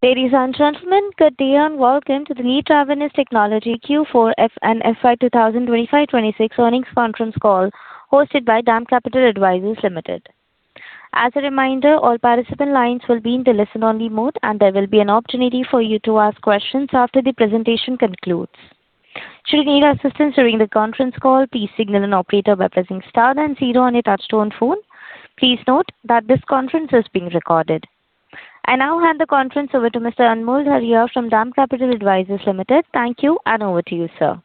Ladies and gentlemen, good day, and welcome to the Le Travenues Technology Q4 and FY 2025-2026 earnings conference call hosted by DAM Capital Advisors Limited. As a reminder, all participant lines will only be in the listen only mode and there will be an opportunity for you to ask questions after the presentation conclude. Should anyone require assistance during the conference call, please signal an operator by pressing star then zero on your touch-tone phone. Please note that this conference is being recorded. I now hand the conference over to Mr. Anmol Garg from DAM Capital Advisors Limited. Thank you, and over to you, sir.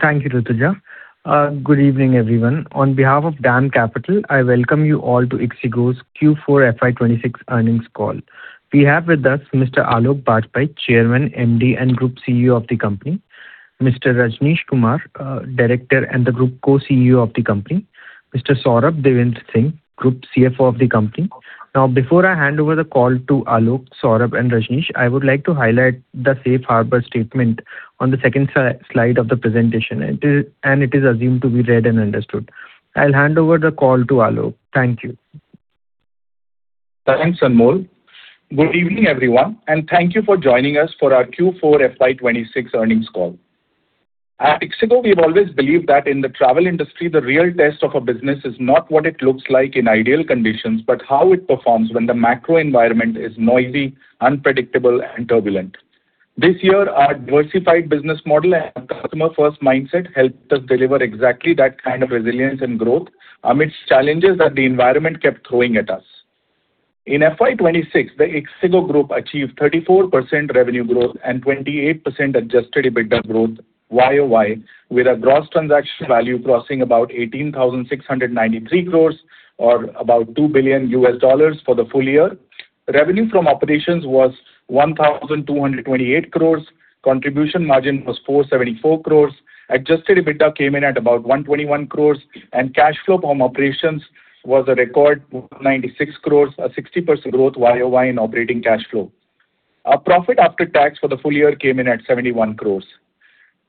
Thank you, Rutuja. Good evening, everyone. On behalf of DAM Capital, I welcome you all to ixigo's Q4 FY 2026 earnings call. We have with us Mr. Aloke Bajpai, Chairman, MD, and Group CEO of the company, Mr. Rajnish Kumar, Director and the Group Co-CEO of the company, Mr. Saurabh Devendra Singh, Group CFO of the company. Before I hand over the call to Aloke, Saurabh, and Rajnish, I would like to highlight the safe harbor statement on the second slide of the presentation, and it is assumed to be read and understood. I'll hand over the call to Aloke. Thank you. Thanks, Anmol. Good evening, everyone, and thank you for joining us for our Q4 FY 2026 earnings call. At ixigo we've always believed that in the travel industry, the real test of a business is not what it looks like in ideal conditions, but how it performs when the macro environment is noisy, unpredictable, and turbulent. This year, our diversified business model and customer-first mindset helped us deliver exactly that kind of resilience and growth amidst challenges that the environment kept throwing at us. In FY 2026, the ixigo Group achieved 34% revenue growth and 28% adjusted EBITDA growth year-over-year, with a gross transaction value crossing about 18,693 crores or about $2 billion for the full year. Revenue from operations was 1,228 crores. Contribution margin was 474 crores. Adjusted EBITDA came in at about 121 crores. Cash flow from operations was a record 96 crores, a 60% growth YoY in operating cash flow. Our profit after tax for the full year came in at 71 crores.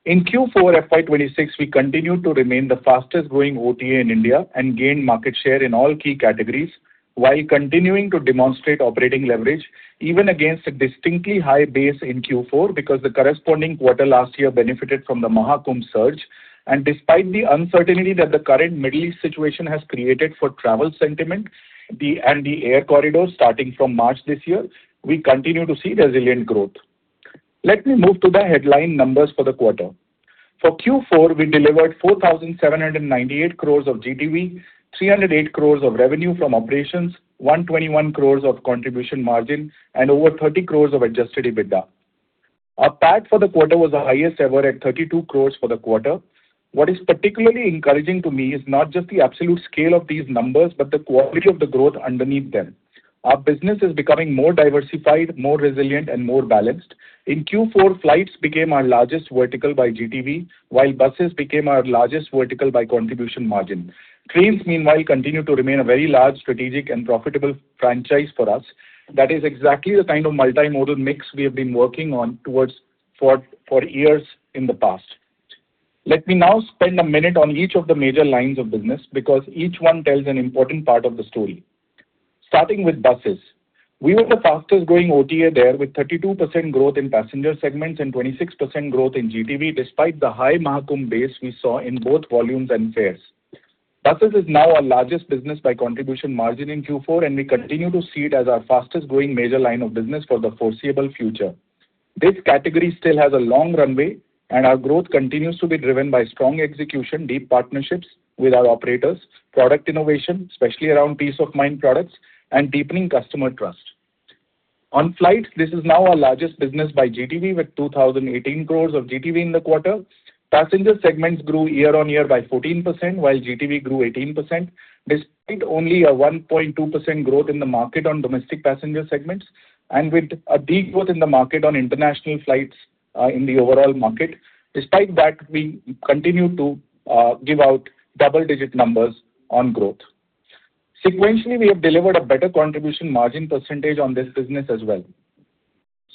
In Q4 FY 2026, we continued to remain the fastest-growing OTA in India and gained market share in all key categories while continuing to demonstrate operating leverage even against a distinctly high base in Q4 because the corresponding quarter last year benefited from the Maha Kumbh surge. Despite the uncertainty that the current Middle East situation has created for travel sentiment and the air corridor starting from March this year, we continue to see resilient growth. Let me move to the headline numbers for the quarter. For Q4, we delivered 4,798 crores of GTV, 308 crores of revenue from operations, 121 crores of contribution margin, and over 30 crores of adjusted EBITDA. Our PAT for the quarter was the highest ever at 32 crores for the quarter. What is particularly encouraging to me is not just the absolute scale of these numbers, but the quality of the growth underneath them. Our business is becoming more diversified, more resilient, and more balanced. In Q4, flights became our largest vertical by GTV, while buses became our largest vertical by contribution margin. Trains, meanwhile, continue to remain a very large strategic and profitable franchise for us. That is exactly the kind of multimodal mix we have been working on towards for years in the past. Let me now spend a minute on each of the major lines of business because each one tells an important part of the story. Starting with buses. We were the fastest-growing OTA there, with 32% growth in passenger segments and 26% growth in GTV, despite the high Maha Kumbh base we saw in both volumes and fares. Buses is now our largest business by contribution margin in Q4, and we continue to see it as our fastest-growing major line of business for the foreseeable future. This category still has a long runway, and our growth continues to be driven by strong execution, deep partnerships with our operators, product innovation, especially around peace-of-mind products, and deepening customer trust. On flights, this is now our largest business by GTV, with 2,018 crores of GTV in the quarter. Passenger segments grew year-over-year by 14%, while GTV grew 18%, despite only a 1.2% growth in the market on domestic passenger segments and with a deep growth in the market on international flights in the overall market. Despite that, we continue to give out double-digit numbers on growth. Sequentially, we have delivered a better contribution margin percentage on this business as well.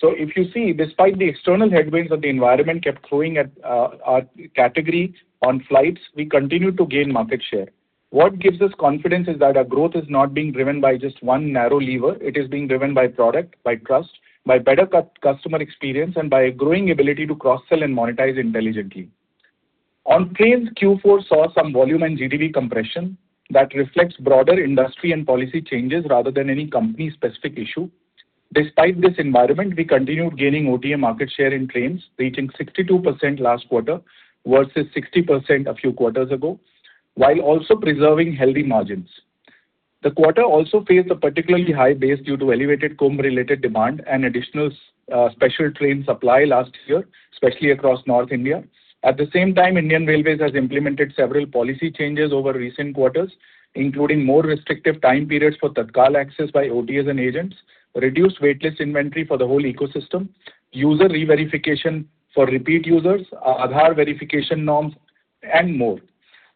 If you see, despite the external headwinds that the environment kept throwing at our category on flights, we continued to gain market share. What gives us confidence is that our growth is not being driven by just one narrow lever. It is being driven by product, by trust, by better customer experience, and by a growing ability to cross-sell and monetize intelligently. On trains, Q4 saw some volume and GTV compression that reflects broader industry and policy changes rather than any company-specific issue. Despite this environment, we continued gaining OTA market share in trains, reaching 62% last quarter versus 60% a few quarters ago, while also preserving healthy margins. The quarter also faced a particularly high base due to elevated Kumbh-related demand and additional special train supply last year, especially across North India. At the same time, Indian Railways has implemented several policy changes over recent quarters, including more restrictive time periods for tatkal access by OTAs and agents, reduced waitlist inventory for the whole ecosystem, user re-verification for repeat users, Aadhaar verification norms, and more.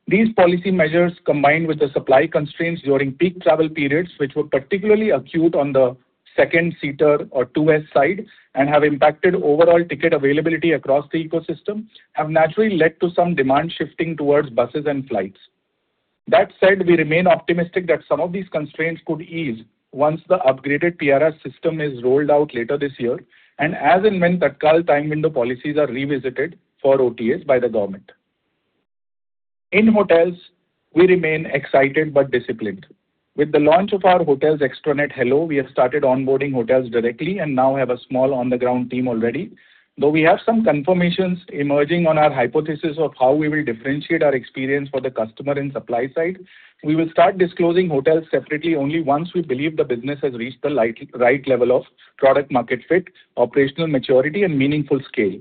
These policy measures, combined with the supply constraints during peak travel periods, which were particularly acute on the second seater or 2S side and have impacted overall ticket availability across the ecosystem, have naturally led to some demand shifting towards buses and flights. That said, we remain optimistic that some of these constraints could ease once the upgraded PRS system is rolled out later this year, and as and when tatkal time window policies are revisited for OTAs by the government. In hotels, we remain excited but disciplined. With the launch of our hotels extranet, HELLO, we have started onboarding hotels directly and now have a small on-the-ground team already. Though we have some confirmations emerging on our hypothesis of how we will differentiate our experience for the customer and supply side, we will start disclosing hotels separately only once we believe the business has reached the right level of product market fit, operational maturity, and meaningful scale.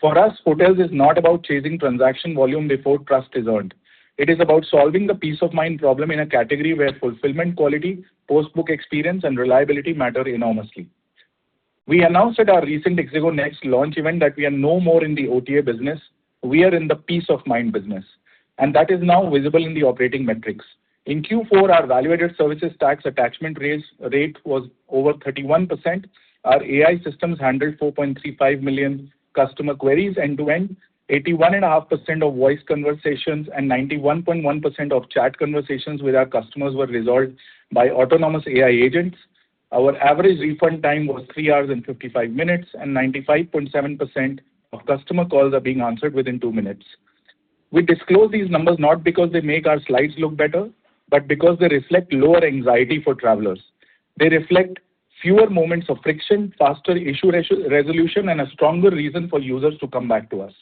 For us, hotels is not about chasing transaction volume before trust is earned. It is about solving the peace of mind problem in a category where fulfillment quality, post-book experience, and reliability matter enormously. We announced at our recent ixigo Next launch event that we are no more in the OTA business. We are in the peace of mind business, and that is now visible in the operating metrics. In Q4, our value-added services tax attachment rate was over 31%. Our AI systems handled 4.35 million customer queries end to end, 81.5% of voice conversations and 91.1% of chat conversations with our customers were resolved by autonomous AI agents. Our average refund time was three hours and 55 minutes, and 95.7% of customer calls are being answered within two minutes. We disclose these numbers not because they make our slides look better, but because they reflect lower anxiety for travelers. They reflect fewer moments of friction, faster issue resolution, and a stronger reason for users to come back to us.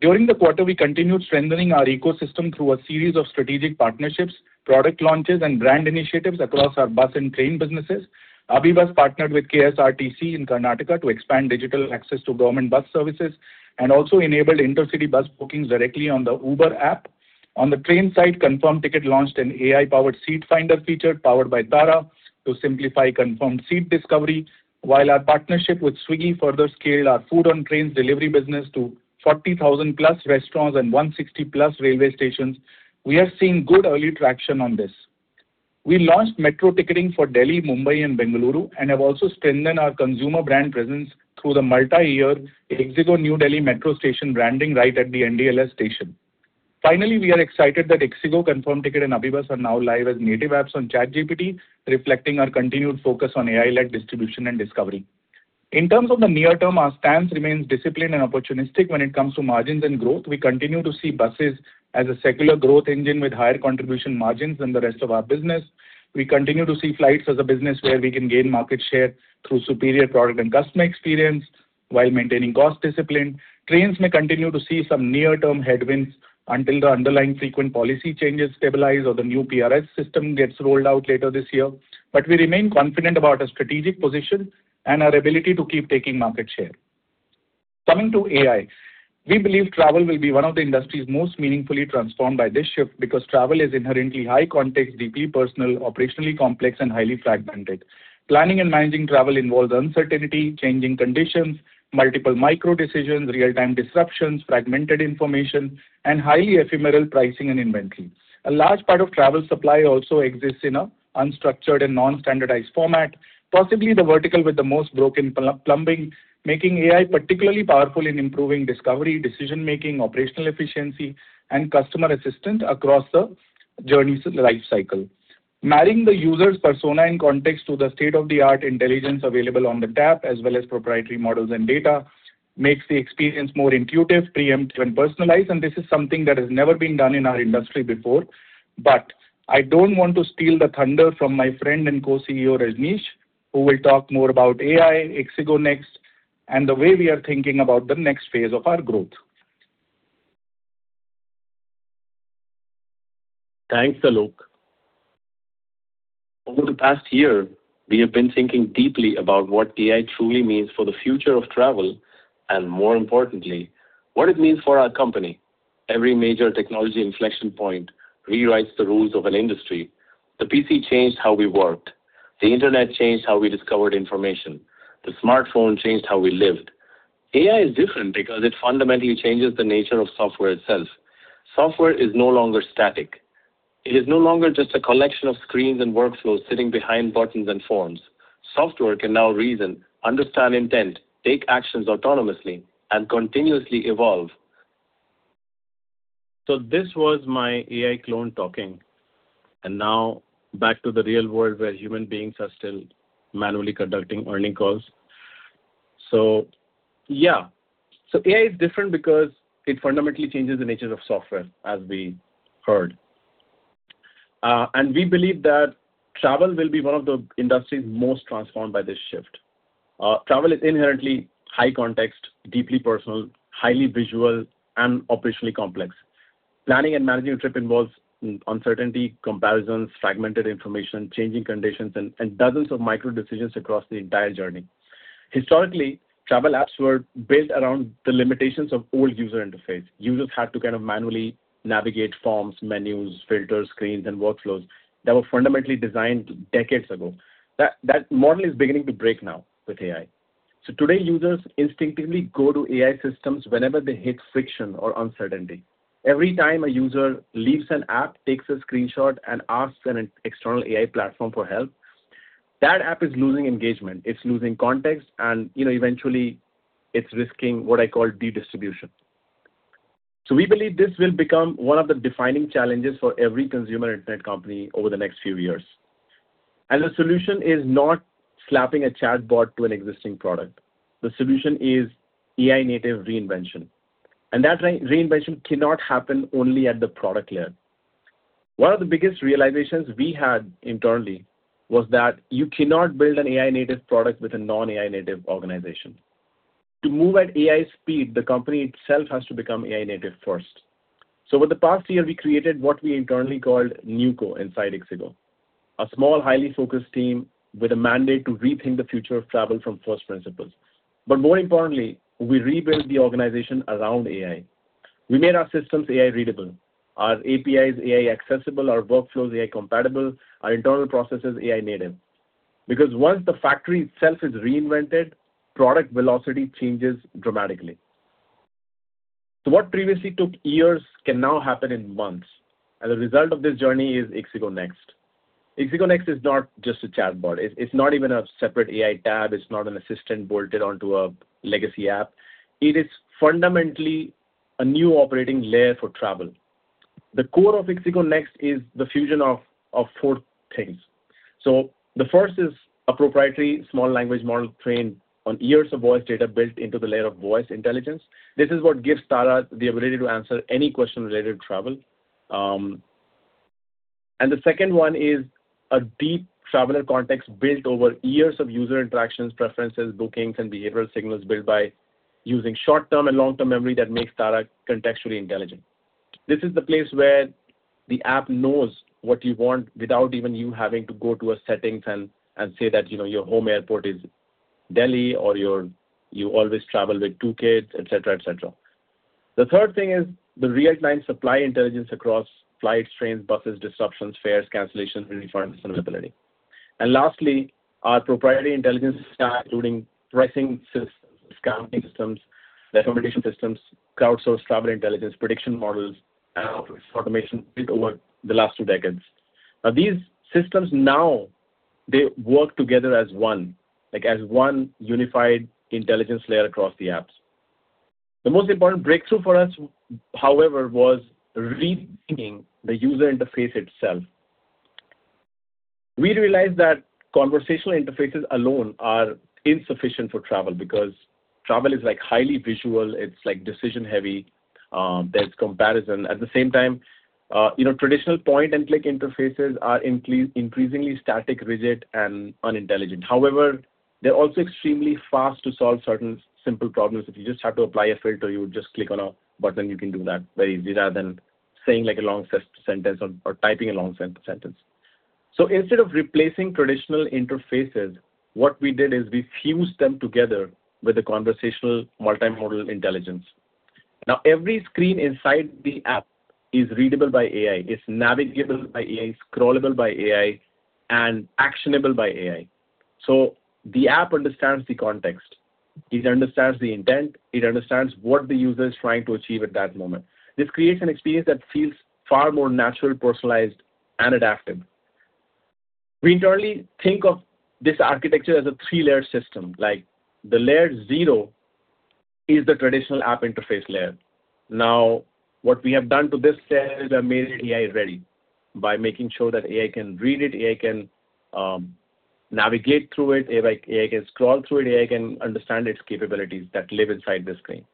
During the quarter, we continued strengthening our ecosystem through a series of strategic partnerships, product launches, and brand initiatives across our bus and train businesses. AbhiBus partnered with KSRTC in Karnataka to expand digital access to government bus services and also enabled intercity bus bookings directly on the Uber app. On the train side, ConfirmTkt launched an AI-powered seat finder feature powered by TARA to simplify confirmed seat discovery. While our partnership with Swiggy further scaled our food on trains delivery business to 40,000-plus restaurants and 160-plus railway stations, we are seeing good early traction on this. We launched metro ticketing for Delhi, Mumbai, and Bengaluru and have also strengthened our consumer brand presence through the multi-year ixigo New Delhi Metro station branding right at the NDLS station. Finally, we are excited that ixigo, ConfirmTkt, and AbhiBus are now live as native apps on ChatGPT, reflecting our continued focus on AI-led distribution and discovery. In terms of the near term, our stance remains disciplined and opportunistic when it comes to margins and growth. We continue to see buses as a secular growth engine with higher contribution margins than the rest of our business. We continue to see flights as a business where we can gain market share through superior product and customer experience while maintaining cost discipline. Trains may continue to see some near-term headwinds until the underlying frequent policy changes stabilize or the new PRS system gets rolled out later this year. We remain confident about our strategic position and our ability to keep taking market share. Coming to AI, we believe travel will be one of the industry's most meaningfully transformed by this shift because travel is inherently high context, deeply personal, operationally complex, and highly fragmented. Planning and managing travel involves uncertainty, changing conditions, multiple micro decisions, real-time disruptions, fragmented information, and highly ephemeral pricing and inventory. A large part of travel supply also exists in an unstructured and non-standardized format, possibly the vertical with the most broken plumbing, making AI particularly powerful in improving discovery, decision-making, operational efficiency, and customer assistance across the journey's life cycle. Marrying the user's persona and context to the state-of-the-art intelligence available on the tap, as well as proprietary models and data, makes the experience more intuitive, preemptive, and personalized, and this is something that has never been done in our industry before. I don't want to steal the thunder from my friend and co-CEO, Rajnish, who will talk more about AI, ixigo Next, and the way we are thinking about the next phase of our growth. Thanks, Aloke. Over the past year, we have been thinking deeply about what AI truly means for the future of travel, and more importantly, what it means for our company. Every major technology inflection point rewrites the rules of an industry. The PC changed how we worked. The internet changed how we discovered information. The smartphone changed how we lived. AI is different because it fundamentally changes the nature of software itself. Software is no longer static. It is no longer just a collection of screens and workflows sitting behind buttons and forms. Software can now reason, understand intent, take actions autonomously, and continuously evolve. This was my AI clone talking, and now back to the real world where human beings are still manually conducting earning calls. Yeah. AI is different because it fundamentally changes the nature of software, as we heard. We believe that travel will be one of the industries most transformed by this shift. Travel is inherently high context, deeply personal, highly visual, and operationally complex. Planning and managing a trip involves uncertainty, comparisons, fragmented information, changing conditions, and dozens of micro decisions across the entire journey. Historically, travel apps were built around the limitations of old user interface. Users had to kind of manually navigate forms, menus, filters, screens, and workflows that were fundamentally designed decades ago. That model is beginning to break now with AI. Today, users instinctively go to AI systems whenever they hit friction or uncertainty. Every time a user leaves an app, takes a screenshot, and asks an external AI platform for help. That app is losing engagement, it's losing context, and eventually it's risking what I call de-distribution. We believe this will become one of the defining challenges for every consumer internet company over the next few years. The solution is not slapping a chatbot to an existing product. The solution is AI native reinvention. That reinvention cannot happen only at the product layer. One of the biggest realizations we had internally was that you cannot build an AI native product with a non-AI native organization. To move at AI speed, the company itself has to become AI native first. Over the past year, we created what we internally called NewCo inside ixigo, a small, highly focused team with a mandate to rethink the future of travel from first principles. More importantly, we rebuilt the organization around AI. We made our systems AI readable, our APIs AI accessible, our workflows AI compatible, our internal processes AI native. Once the factory itself is reinvented, product velocity changes dramatically. What previously took years can now happen in months. The result of this journey is ixigo Next. ixigo Next is not just a chatbot. It's not even a separate AI tab. It's not an assistant bolted onto a legacy app. It is fundamentally a new operating layer for travel. The core of ixigo Next is the fusion of four things. The first is a proprietary small language model trained on years of voice data built into the layer of voice intelligence. This is what gives TARA the ability to answer any question related to travel. The second one is a deep traveler context built over years of user interactions, preferences, bookings, and behavioral signals built by using short-term and long-term memory that makes TARA contextually intelligent. This is the place where the app knows what you want without even you having to go to a settings and say that your home airport is Delhi or you always travel with two kids, et cetera. The third thing is the real-time supply intelligence across flights, trains, buses, disruptions, fares, cancellations, refunds, and availability. Lastly, our proprietary intelligence stack, including pricing systems, discounting systems, recommendation systems, crowdsourced travel intelligence, prediction models, and office automation built over the last two decades. These systems now, they work together as one, like as one unified intelligence layer across the apps. The most important breakthrough for us, however, was rethinking the user interface itself. We realized that conversational interfaces alone are insufficient for travel because travel is highly visual, it's decision heavy. There's comparison. At the same time, traditional point-and-click interfaces are increasingly static, rigid, and unintelligent. However, they're also extremely fast to solve certain simple problems. If you just have to apply a filter, you would just click on a button, you can do that very easily rather than saying a long sentence or typing a long sentence. Instead of replacing traditional interfaces, what we did is we fused them together with a conversational multi-modal intelligence. Every screen inside the app is readable by AI, is navigable by AI, scrollable by AI, and actionable by AI. The app understands the context. It understands the intent, it understands what the user is trying to achieve at that moment. This creates an experience that feels far more natural, personalized, and adaptive. We internally think of this architecture as a three-layer system, like the layer zero is the traditional app interface layer. What we have done to this layer is we have made it AI ready by making sure that AI can read it, AI can navigate through it, AI can scroll through it, AI can understand its capabilities that live inside the screen.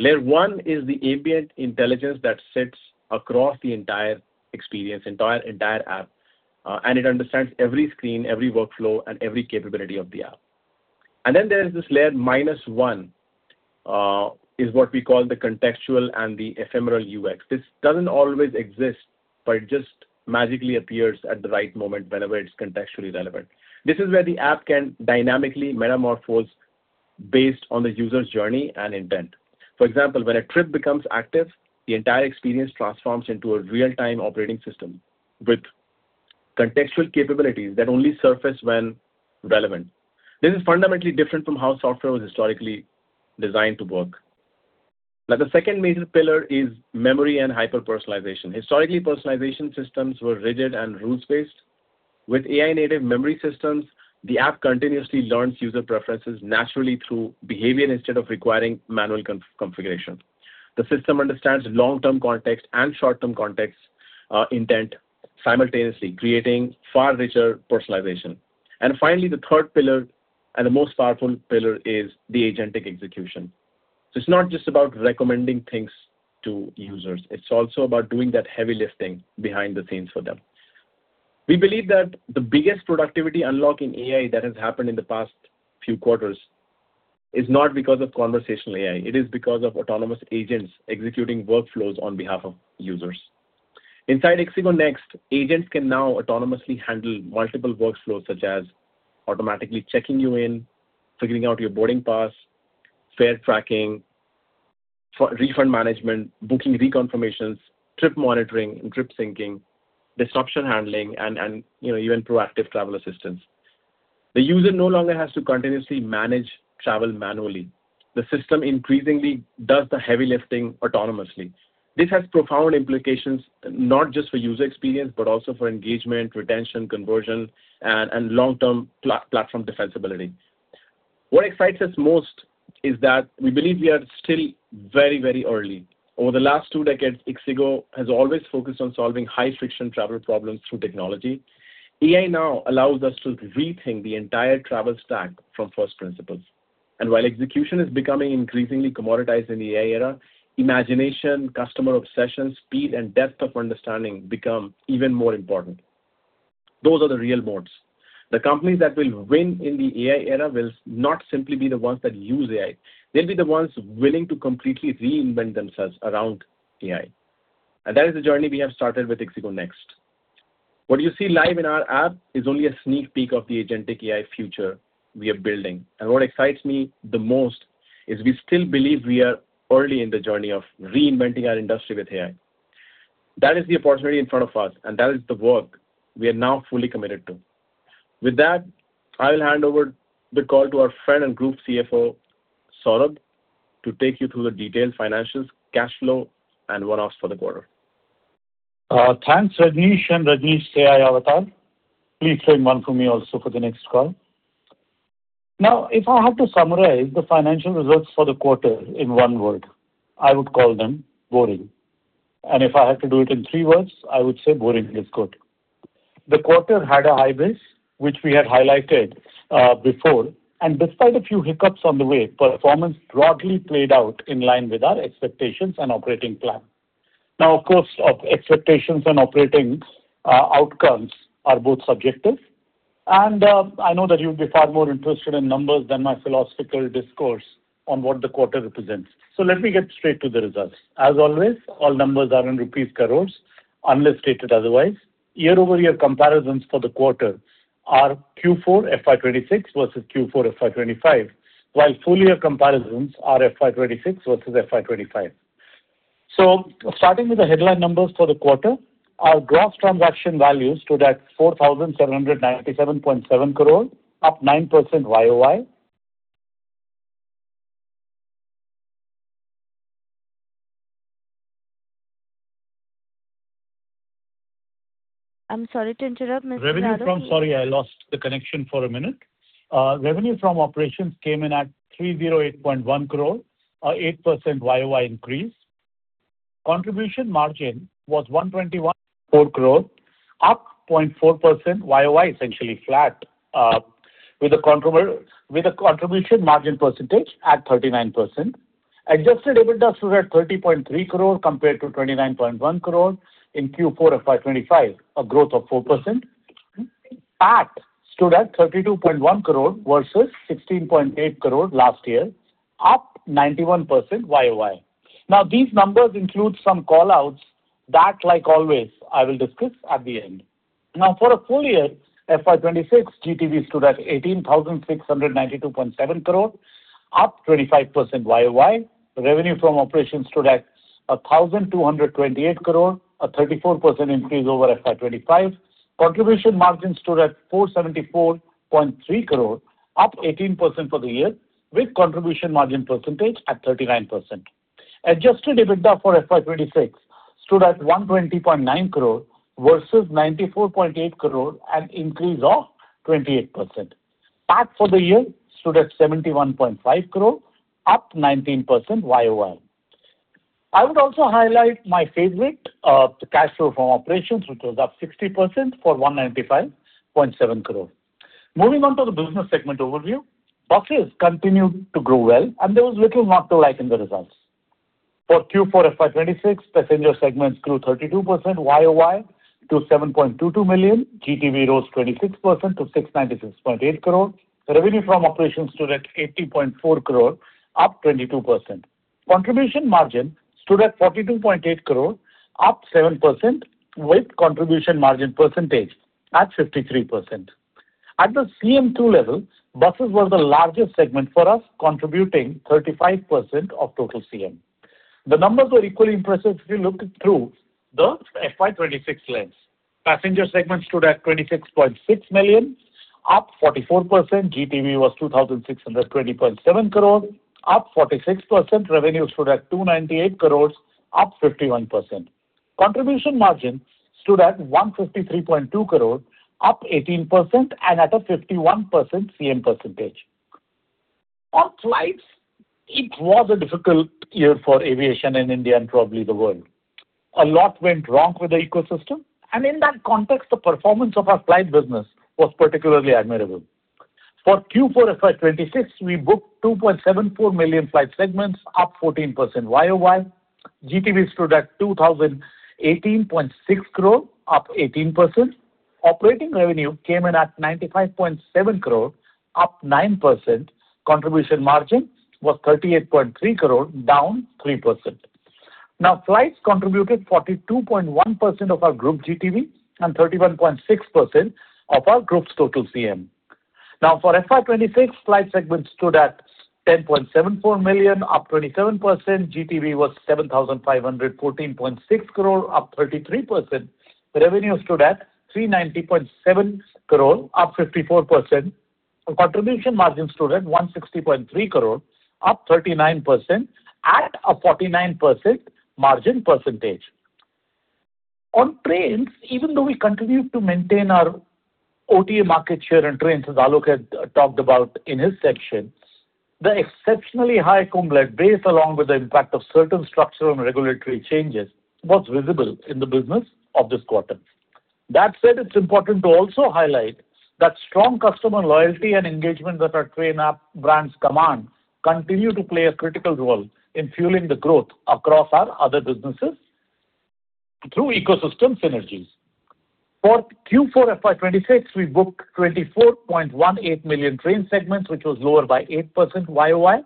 Layer 1 is the ambient intelligence that sits across the entire experience, entire app. It understands every screen, every workflow, and every capability of the app. There is this layer minus 1, is what we call the contextual and the ephemeral UX. This doesn't always exist, but it just magically appears at the right moment whenever it's contextually relevant. This is where the app can dynamically metamorphose based on the user's journey and intent. For example, when a trip becomes active, the entire experience transforms into a real-time operating system with contextual capabilities that only surface when relevant. This is fundamentally different from how software was historically designed to work. The second major pillar is memory and hyper-personalization. Historically, personalization systems were rigid and rules-based. With AI native memory systems, the app continuously learns user preferences naturally through behavior instead of requiring manual configuration. The system understands long-term context and short-term context intent simultaneously, creating far richer personalization. Finally, the third pillar and the most powerful pillar is the agentic execution. It's not just about recommending things to users, it's also about doing that heavy lifting behind the scenes for them. We believe that the biggest productivity unlock in AI that has happened in the past few quarters is not because of conversational AI, it is because of autonomous agents executing workflows on behalf of users. Inside ixigo Next, agents can now autonomously handle multiple workflows, such as automatically checking you in, figuring out your boarding pass, fare tracking, refund management, booking reconfirmations, trip monitoring and trip syncing, disruption handling, and even proactive travel assistance. The user no longer has to continuously manage travel manually. The system increasingly does the heavy lifting autonomously. This has profound implications, not just for user experience, but also for engagement, retention, conversion, and long-term platform defensibility. What excites us most is that we believe we are still very early. Over the last two decades, ixigo has always focused on solving high-friction travel problems through technology. AI now allows us to rethink the entire travel stack from first principles. While execution is becoming increasingly commoditized in the AI era, imagination, customer obsession, speed, and depth of understanding become even more important. Those are the real moats. The companies that will win in the AI era will not simply be the ones that use AI. They'll be the ones willing to completely reinvent themselves around AI. That is the journey we have started with ixigo Next. What you see live in our app is only a sneak peek of the agentic AI future we are building. What excites me the most is we still believe we are early in the journey of reinventing our industry with AI. That is the opportunity in front of us, and that is the work we are now fully committed to. With that, I'll hand over the call to our friend and Group CFO, Saurabh, to take you through the detailed financials, cash flow, and one-offs for the quarter. Thanks, Rajnish and Rajnish AI avatar. Please train one for me also for the next call. If I had to summarize the financial results for the quarter in one word, I would call them boring. If I had to do it in three words, I would say boring is good. The quarter had a high base, which we had highlighted before, and despite a few hiccups on the way, performance broadly played out in line with our expectations and operating plan. Of course, expectations and operating outcomes are both subjective, and I know that you'll be far more interested in numbers than my philosophical discourse on what the quarter represents. Let me get straight to the results. As always, all numbers are in rupees crores unless stated otherwise. Year-over-year comparisons for the quarter are Q4 FY 2026 versus Q4 FY 2025, while full year comparisons are FY 2026 versus FY 2025. Starting with the headline numbers for the quarter, our gross transaction values stood at 4,797.7 crore, up 9% YOY. I'm sorry to interrupt, Mr. Dar- Sorry, I lost the connection for a minute. Revenue from operations came in at 308.1 crore, a 8% YOY increase. Contribution margin was 121.4 crore, up 0.4% YOY, essentially flat, with a contribution margin percentage at 39%. Adjusted EBITDA stood at 30.3 crore compared to 29.1 crore in Q4 FY 2025, a growth of 4%. PAT stood at 32.1 crore versus 16.8 crore last year, up 91% YOY. Now, these numbers include some call-outs that, like always, I will discuss at the end. Now, for a full year, FY 2026 GTV stood at 18,692.7 crore, up 25% YOY. Revenue from operations stood at 1,228 crore, a 34% increase over FY 2025. Contribution margin stood at 474.3 crore, up 18% for the year, with contribution margin percentage at 39%. Adjusted EBITDA for FY 2026 stood at 120.9 crore versus 94.8 crore, an increase of 28%. PAT for the year stood at 71.5 crore, up 19% YOY. I would also highlight my favorite, the cash flow from operations, which was up 60% for 195.7 crore. Moving on to the business segment overview. Buses continued to grow well, and there was little not to like in the results. For Q4 FY 2026, passenger segments grew 32% YOY to 7.22 million. GTV rose 26% to 696.8 crore. Revenue from operations stood at 80.4 crore, up 22%. Contribution margin stood at 42.8 crore, up 7%, with contribution margin percentage at 53%. At the CM2 level, buses were the largest segment for us, contributing 35% of total CM. The numbers were equally impressive if you looked through the FY 2026 lens. Passenger segments stood at 26.6 million, up 44%. GTV was 2,620.7 crore, up 46%. Revenue stood at 298 crore, up 51%. Contribution margin stood at 153.2 crore, up 18%, and at a 51% CM percentage. On flights, it was a difficult year for aviation in India and probably the world. A lot went wrong with the ecosystem, and in that context, the performance of our flight business was particularly admirable. For Q4 FY 2026, we booked 2.74 million flight segments, up 14% YOY. GTV stood at 2,018.6 crore, up 18%. Operating revenue came in at 95.7 crore, up 9%. Contribution margin was 38.3 crore, down 3%. Flights contributed 42.1% of our group GTV and 31.6% of our group's total CM. For FY 2026, flight segments stood at 10.74 million, up 27%. GTV was 7,514.6 crore, up 33%. Revenue stood at 390.7 crore, up 54%. Contribution margin stood at 160.3 crore, up 39%, at a 49% margin percentage. On trains, even though we continue to maintain our OTA market share on trains, as Aloke had talked about in his section, the exceptionally high Kumbh led base, along with the impact of certain structural and regulatory changes, was visible in the business of this quarter. That said, it's important to also highlight that strong customer loyalty and engagement that our train brand commands continue to play a critical role in fueling the growth across our other businesses through ecosystem synergies. For Q4 FY 2026, we booked 24.18 million train segments, which was lower by 8% YOY.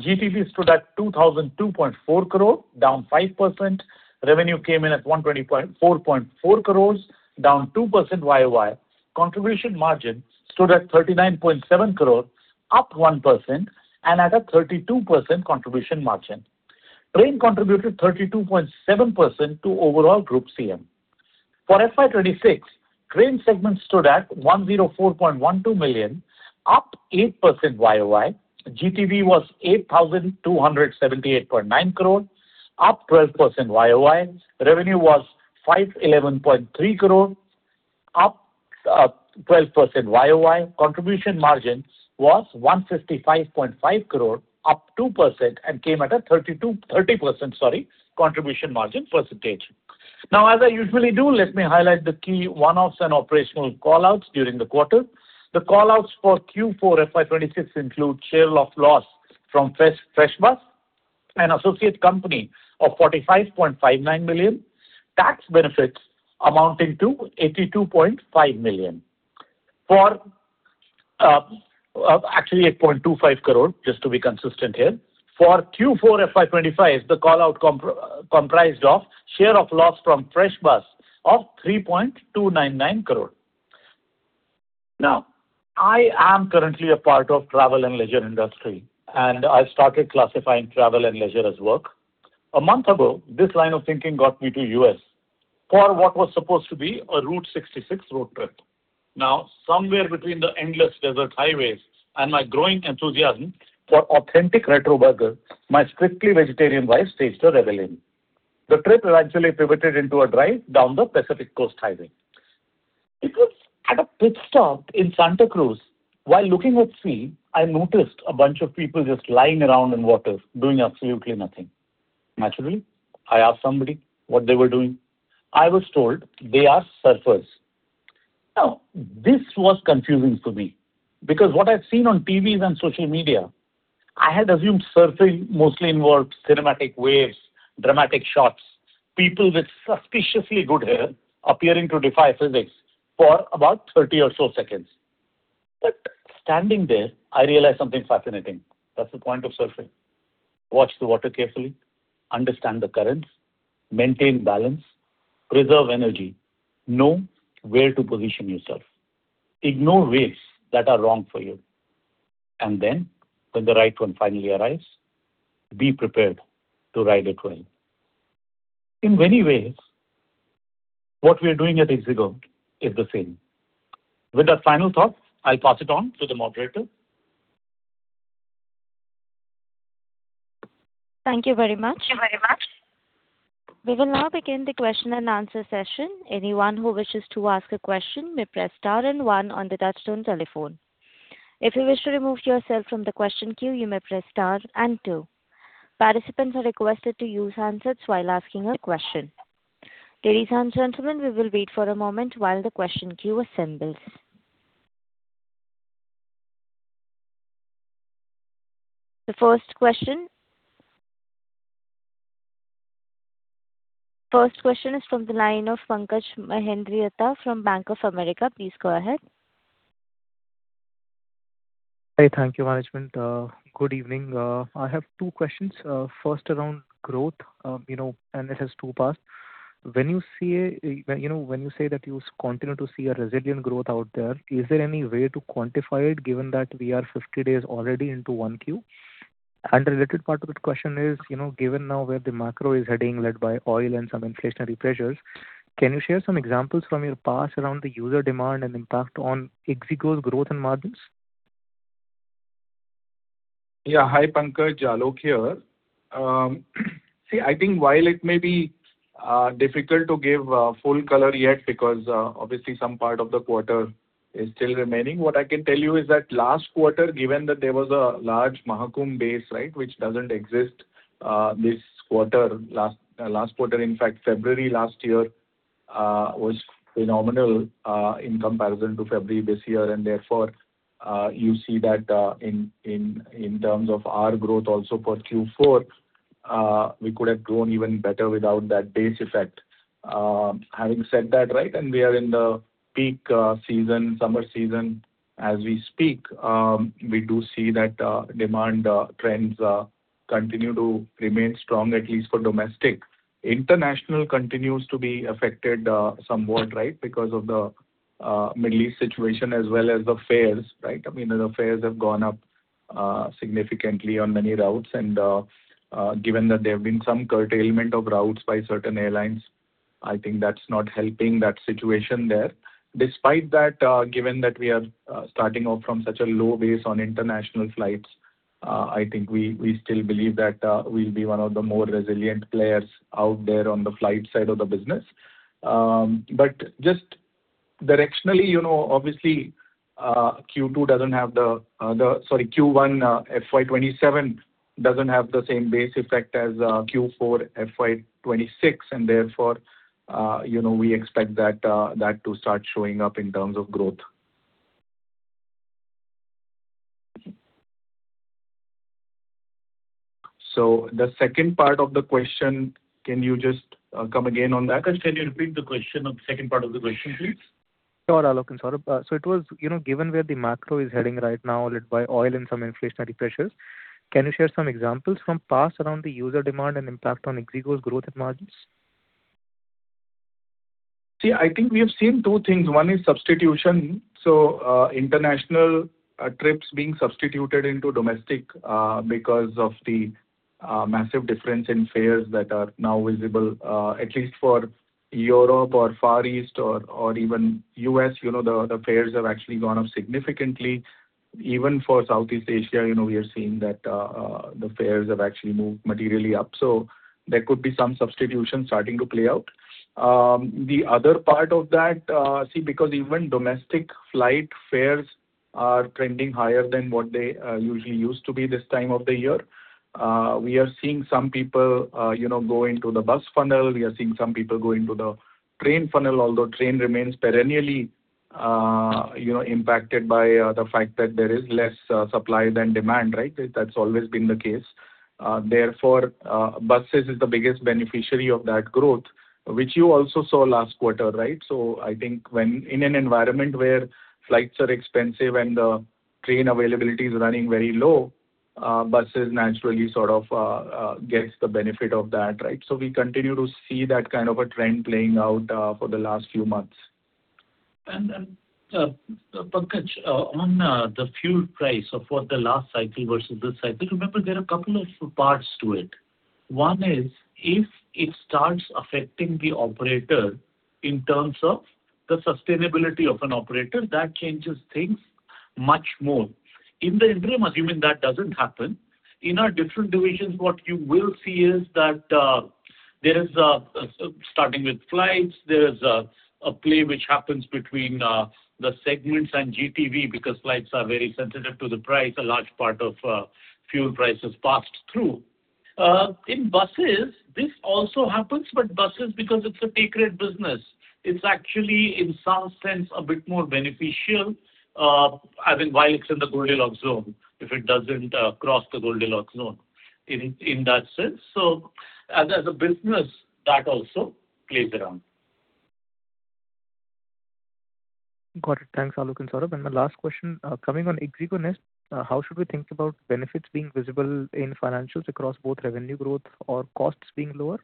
GTV stood at 2,002.4 crore, down 5%. Revenue came in at 120.4 crore, down 2% YOY. Contribution margin stood at 39.7 crore, up 1%, and at a 32% contribution margin. Train contributed 32.7% to overall group CM. For FY 2026, train segments stood at 104.12 million, up 8% YOY. GTV was 8,278.9 crore, up 12% YOY. Revenue was 511.3 crore, up 12% YOY. Contribution margin was 155.5 crore, up 2%, and came at a 30% contribution margin percentage. As I usually do, let me highlight the key one-offs and operational call-outs during the quarter. The call-outs for Q4 FY 2026 include share of loss from FreshBus, an associate company, of 45.59 million. Tax benefits amounting to 82.5 million. Actually, 8.25 crore, just to be consistent here. For Q4 FY 2025, the call-out comprised of share of loss from FreshBus of 3.299 crore. I am currently a part of travel and leisure industry, and I've started classifying travel and leisure as work. A month ago, this line of thinking got me to U.S. for what was supposed to be a Route 66 road trip. Now, somewhere between the endless desert highways and my growing enthusiasm for authentic retro burger, my strictly vegetarian wife staged a rebellion. The trip eventually pivoted into a drive down the Pacific Coast Highway. It was at a pit stop in Santa Cruz while looking at sea, I noticed a bunch of people just lying around in water doing absolutely nothing. Naturally, I asked somebody what they were doing. I was told they are surfers. Now, this was confusing to me because what I've seen on TVs and social media, I had assumed surfing mostly involved cinematic waves, dramatic shots, people with suspiciously good hair appearing to defy physics for about 30 or so seconds. Standing there, I realized something fascinating. That's the point of surfing. Watch the water carefully, understand the currents, maintain balance, preserve energy, know where to position yourself, ignore waves that are wrong for you, when the right one finally arrives, be prepared to ride it well. In many ways, what we are doing at ixigo is the same. With that final thought, I'll pass it on to the moderator. Thank you very much. We will now begin the question and answer session. Anyone who wishes to ask a question may press star and one on the touchtone telephone. If you wish to remove yourself from the question queue, you may press star and two. Participants are requested to use handsets while asking a question. Ladies and gentlemen, we will wait for a moment while the question queue assembles. The first question. First question is from the line of Pankaj Mehendiratta from Bank of America. Please go ahead. Hi. Thank you management. Good evening. I have two questions. First around growth. It has 2 parts. When you say that you continue to see a resilient growth out there, is there any way to quantify it given that we are 50 days already into one queue? A related part of the question is, given now where the macro is heading, led by oil and some inflationary pressures, can you share some examples from your past around the user demand and impact on ixigo's growth and margins? Hi, Pankaj, Aloke here. I think while it may be difficult to give full color yet because, obviously, some part of the quarter is still remaining, what I can tell you is that last quarter, given that there was a large Maha Kumbh base, which doesn't exist this quarter. Last quarter, in fact, February last year, was phenomenal, in comparison to February this year, therefore, you see that, in terms of our growth also for Q4, we could have grown even better without that base effect. Having said that, we are in the peak season, summer season as we speak, we do see that demand trends continue to remain strong, at least for domestic. International continues to be affected somewhat because of the Middle East situation as well as the fares. I mean, the fares have gone up significantly on many routes, and given that there have been some curtailment of routes by certain airlines, I think that's not helping that situation there. Despite that, given that we are starting off from such a low base on international flights I think we still believe that we'll be one of the more resilient players out there on the flight side of the business. Just directionally, obviously, Q1 FY 2027 doesn't have the same base effect as Q4 FY 2026, therefore, we expect that to start showing up in terms of growth. The second part of the question, can you just come again on that? Pankaj, can you repeat the question or the second part of the question, please? Sure, Aloke and Saurabh. It was given where the macro is heading right now, led by oil and some inflationary pressures, can you share some examples from past around the user demand and impact on ixigo's growth and margins? I think we have seen two things. One is substitution. International trips being substituted into domestic, because of the massive difference in fares that are now visible, at least for Europe or Far East or even U.S., the fares have actually gone up significantly. Even for Southeast Asia, we are seeing that the fares have actually moved materially up. There could be some substitution starting to play out. The other part of that, see, because even domestic flight fares are trending higher than what they usually used to be this time of the year. We are seeing some people go into the bus funnel. We are seeing some people go into the train funnel, although train remains perennially impacted by the fact that there is less supply than demand, right? That's always been the case. Buses is the biggest beneficiary of that growth, which you also saw last quarter, right? I think when in an environment where flights are expensive and the train availability is running very low, buses naturally sort of gets the benefit of that, right? We continue to see that kind of a trend playing out for the last few months. Pankaj, on the fuel price of what the last cycle versus this cycle, remember, there are a couple of parts to it. One is if it starts affecting the operator in terms of the sustainability of an operator, that changes things much more. In the interim, assuming that doesn't happen, in our different divisions, what you will see is that there is, starting with flights, there is a play which happens between the segments and GTV because flights are very sensitive to the price. A large part of fuel price is passed through. In buses, this also happens, but buses, because it's a takeoff business, it's actually in some sense a bit more beneficial, I think while it's in the Goldilocks zone, if it doesn't cross the Goldilocks zone in that sense. As a business, that also plays around. Got it. Thanks, Aloke and Saurabh. My last question, coming on ixigo Next, how should we think about benefits being visible in financials across both revenue growth or costs being lower?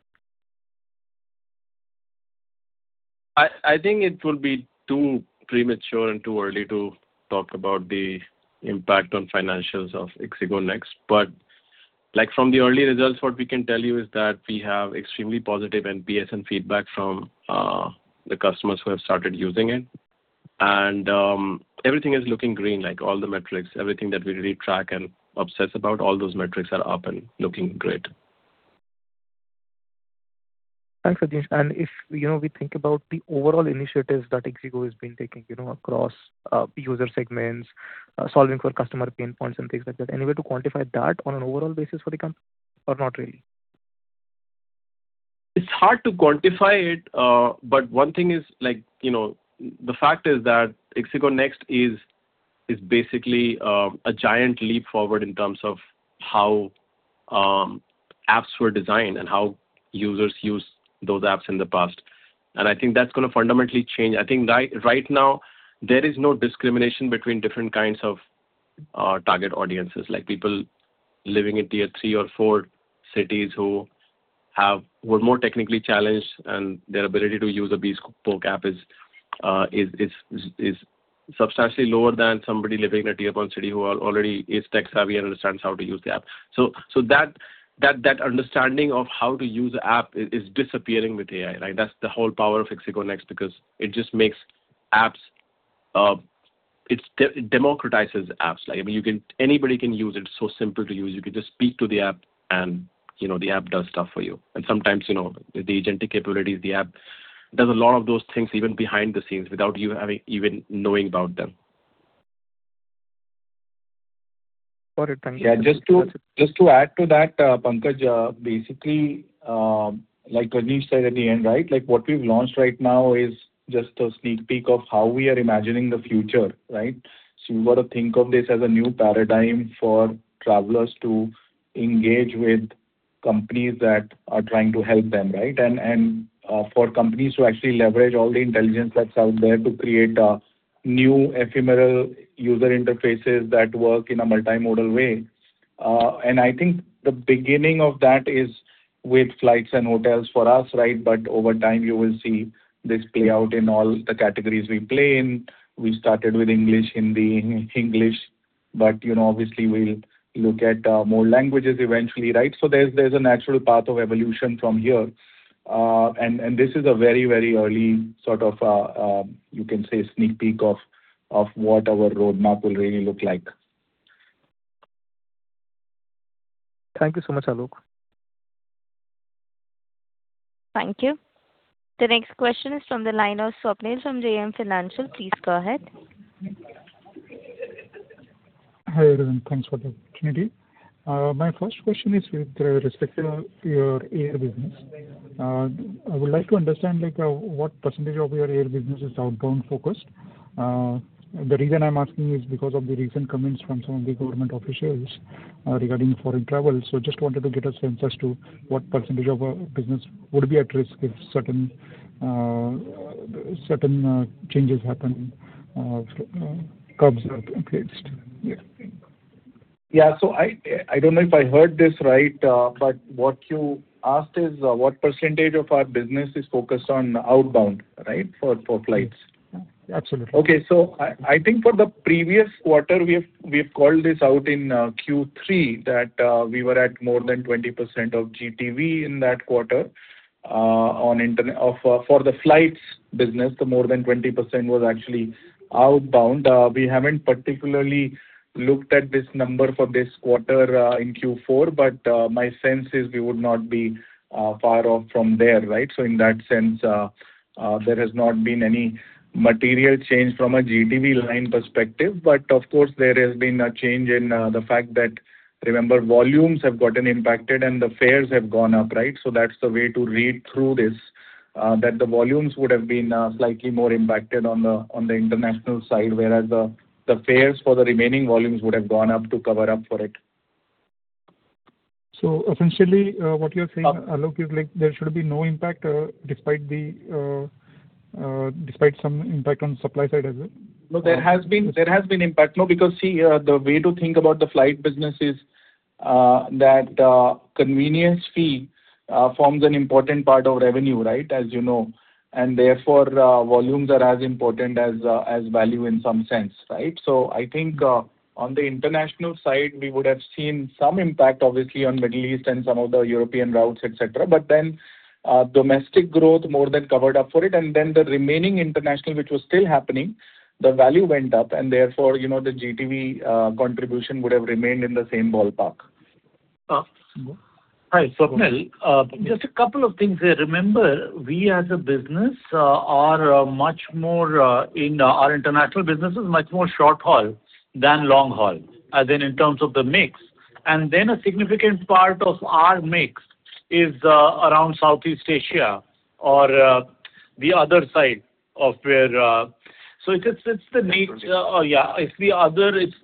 I think it will be too premature and too early to talk about the impact on financials of ixigo Next. From the early results, what we can tell you is that we have extremely positive NPS and feedback from the customers who have started using it. Everything is looking green, like all the metrics, everything that we really track and obsess about, all those metrics are up and looking great. Thanks, Rajnish, and if we think about the overall initiatives that ixigo has been taking across user segments, solving for customer pain points and things like that, any way to quantify that on an overall basis for the company or not really? It's hard to quantify it, but one thing is the fact is that ixigo Next is basically a giant leap forward in terms of how apps were designed and how users used those apps in the past. I think that's going to fundamentally change. I think right now, there is no discrimination between different kinds of target audiences, like people living in tier 3 or 4 cities who were more technically challenged, and their ability to use a bespoke app is substantially lower than somebody living in a tier 1 city who already is tech-savvy and understands how to use the app. That understanding of how to use the app is disappearing with AI, right? That's the whole power of ixigo Next, because it democratizes apps. Anybody can use it. It's so simple to use. You can just speak to the app and the app does stuff for you. Sometimes, the agentic capabilities, the app does a lot of those things even behind the scenes without you even knowing about them. Got it. Thank you. Yeah, just to add to that, Pankaj, basically, like Rajnish said at the end, right? What we've launched right now is just a sneak peek of how we are imagining the future, right? You got to think of this as a new paradigm for travelers to engage with companies that are trying to help them, right? For companies to actually leverage all the intelligence that's out there to create new ephemeral user interfaces that work in a multimodal way. I think the beginning of that is with flights and hotels for us, right? Over time, you will see this play out in all the categories we play in. We started with English, Hindi, English, but obviously we'll look at more languages eventually, right? There's a natural path of evolution from here. This is a very early sort of, you can say, sneak peek of what our roadmap will really look like. Thank you so much, Aloke. Thank you. The next question is from the line of Swapnil from JM Financial. Please go ahead. Hi, everyone. Thanks for the opportunity. My first question is with respect to your air business. I would like to understand what % of your air business is outbound-focused. The reason I'm asking is because of the recent comments from some of the government officials regarding foreign travel. Just wanted to get a sense as to what % of business would be at risk if certain changes happen, curbs are placed. Yeah. Yeah. I don't know if I heard this right, but what you asked is what % of our business is focused on outbound right? For flights. Absolutely. Okay. I think for the previous quarter, we've called this out in Q3 that we were at more than 20% of GTV in that quarter. For the flights business, the more than 20% was actually outbound. We haven't particularly looked at this number for this quarter in Q4, but my sense is we would not be far off from there, right? In that sense, there has not been any material change from a GTV line perspective. Of course, there has been a change in the fact that, remember, volumes have gotten impacted and the fares have gone up, right? That's the way to read through this, that the volumes would have been slightly more impacted on the international side, whereas the fares for the remaining volumes would have gone up to cover up for it. Essentially what you're saying, Aloke, is there should be no impact despite some impact on supply side, is it? There has been impact. Because, see, the way to think about the flight business is that convenience fee forms an important part of revenue, right? As you know. Therefore, volumes are as important as value in some sense, right? I think on the international side, we would have seen some impact obviously on Middle East and some of the European routes, et cetera. Domestic growth more than covered up for it, and then the remaining international, which was still happening, the value went up, and therefore, the GTV contribution would have remained in the same ballpark. Hi, Swapnil. Just a couple of things there. Remember, we as a business are much more Our international business is much more short haul than long haul, as in terms of the mix. A significant part of our mix is around Southeast Asia or the other side of Yeah. It's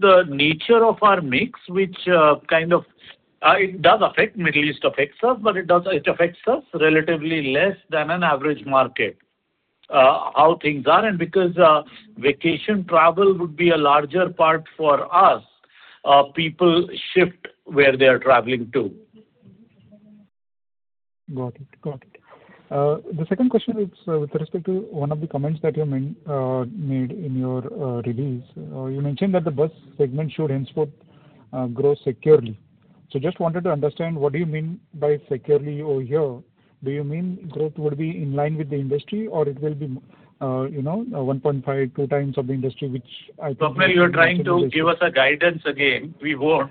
the nature of our mix, which It does affect, Middle East affects us, but it affects us relatively less than an average market, how things are. Because vacation travel would be a larger part for us, people shift where they are traveling to. Got it. The second question is with respect to one of the comments that you made in your release. You mentioned that the bus segment should henceforth grow securely. Just wanted to understand, what do you mean by securely over here? Do you mean growth would be in line with the industry or it will be 1.5-2 times of the industry. Swapnil, you're trying to give us a guidance again. We won't.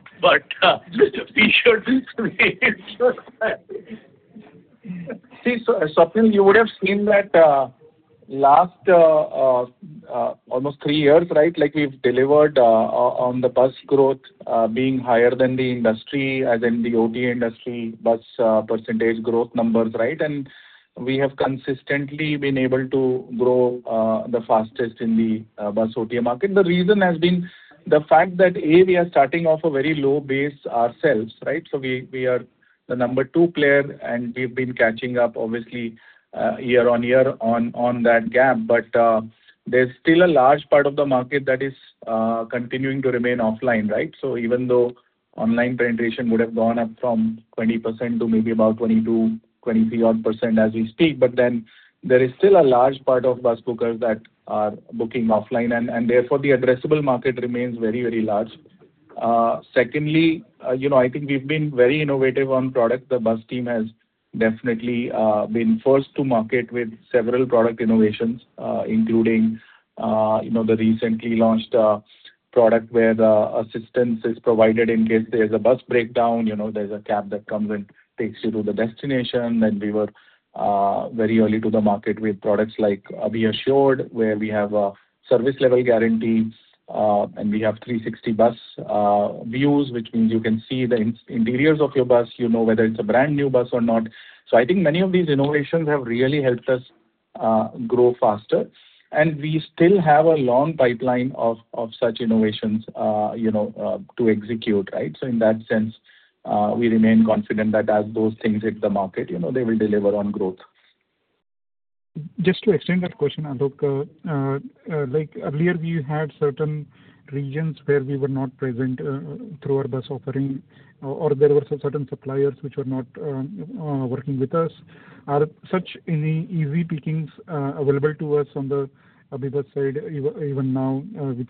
See, Swapnil, you would have seen that last almost three years, right? We've delivered on the bus growth being higher than the industry, as in the OTA industry bus percentage growth numbers, right? We have consistently been able to grow the fastest in the bus OTA market. The reason has been the fact that, A, we are starting off a very low base ourselves, right? We are the number two player, and we've been catching up obviously year on year on that gap. There's still a large part of the market that is continuing to remain offline, right? Even though online penetration would have gone up from 20% to maybe about 22%, 23% odd as we speak, there is still a large part of bus bookers that are booking offline, and therefore, the addressable market remains very large. Secondly, I think we've been very innovative on product. The bus team has definitely been first to market with several product innovations, including the recently launched product where the assistance is provided in case there's a bus breakdown. There's a cab that comes and takes you to the destination. We were very early to the market with products like Abhi Assured, where we have a service level guarantee, and we have 360 bus views, which means you can see the interiors of your bus, you know whether it's a brand-new bus or not. I think many of these innovations have really helped us grow faster. We still have a long pipeline of such innovations to execute, right? In that sense, we remain confident that as those things hit the market, they will deliver on growth. Just to extend that question, Aloke. Earlier we had certain regions where we were not present through our bus offering or there were certain suppliers which were not working with us. Are such any easy pickings available to us on the AbhiBus side even now, the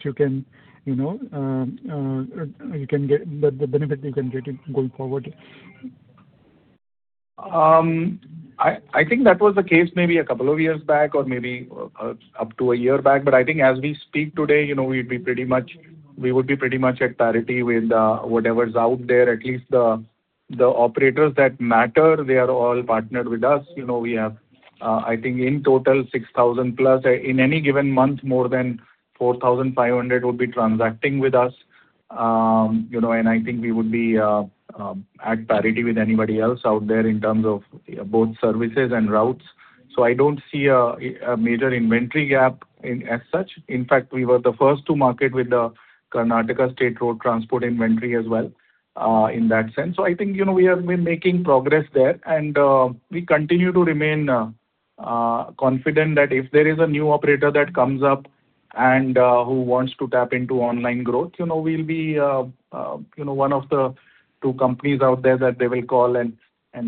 benefit you can get it going forward? I think that was the case maybe a couple of years back or maybe up to a year back. I think as we speak today, we would be pretty much at parity with whatever's out there. At least the operators that matter, they are all partnered with us. We have, I think in total, 6,000+. In any given month, more than 4,500 would be transacting with us. I think we would be at parity with anybody else out there in terms of both services and routes. I don't see a major inventory gap as such. In fact, we were the first to market with the Karnataka State Road Transport inventory as well, in that sense. I think, we have been making progress there, and we continue to remain confident that if there is a new operator that comes up and who wants to tap into online growth, we'll be one of the two companies out there that they will call and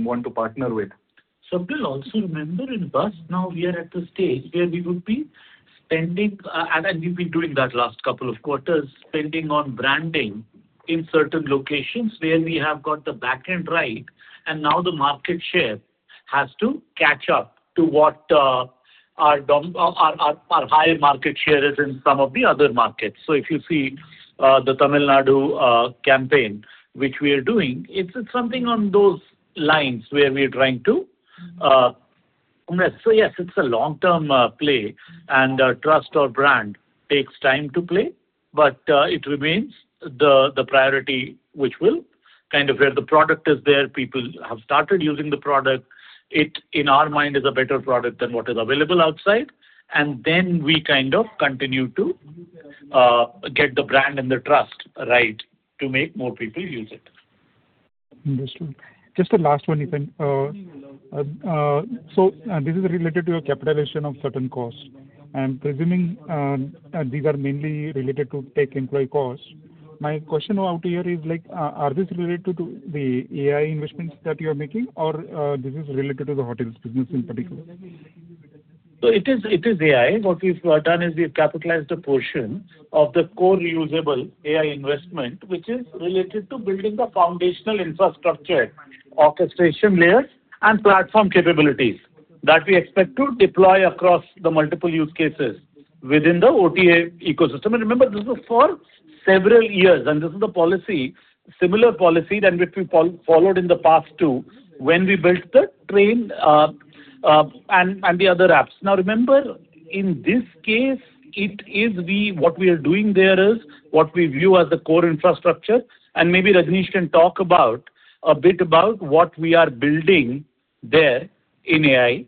want to partner with. Swapnil, also remember in bus now we are at the stage where we would be spending, and we've been doing that last couple of quarters, spending on branding in certain locations where we have got the back end right, and now the market share has to catch up to what our higher market share is in some of the other markets. If you see the Tamil Nadu campaign, which we are doing, it's something on those lines. Yes, it's a long-term play, and trust our brand takes time to play, but it remains the priority. Where the product is there, people have started using the product. It, in our mind, is a better product than what is available outside, we kind of continue to get the brand and the trust right to make more people use it. Understood. Just the last one, this is related to your capitalization of certain costs. I'm presuming these are mainly related to tech employee costs. My question out here is, are these related to the AI investments that you're making, or this is related to the hotels business in particular? It is AI. What we've done is we've capitalized a portion of the core reusable AI investment, which is related to building the foundational infrastructure, orchestration layers, and platform capabilities that we expect to deploy across the multiple use cases within the OTA ecosystem. Remember, this is for several years, and this is the policy, similar policy than which we followed in the past too, when we built the train and the other apps. Remember, in this case, what we are doing there is what we view as the core infrastructure, and maybe Rajnish can talk a bit about what we are building there in AI.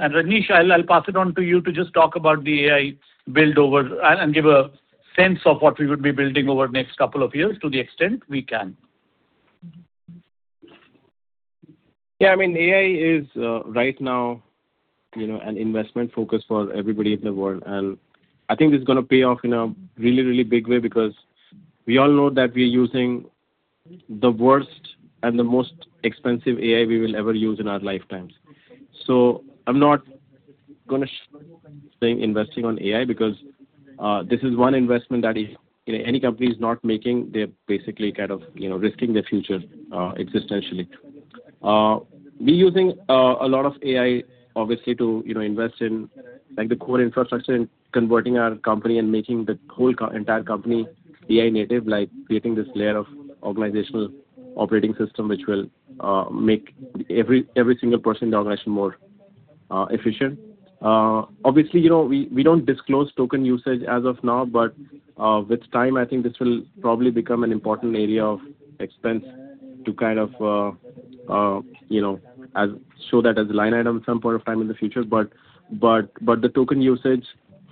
Rajnish, I'll pass it on to you to just talk about the AI build-over and give a sense of what we would be building over next couple of years to the extent we can. Yeah, AI is right now an investment focus for everybody in the world. I think this is going to pay off in a really big way because we all know that we are using the worst and the most expensive AI we will ever use in our lifetimes. I'm not going to investing on AI because this is one investment that if any company is not making, they're basically kind of risking their future existentially. We're using a lot of AI, obviously, to invest in the core infrastructure in converting our company and making the whole entire company AI native, like creating this layer of organizational operating system, which will make every single person in the organization more efficient. Obviously, we don't disclose token usage as of now, but with time, I think this will probably become an important area of expense to kind of show that as a line item at some point of time in the future. But the token usage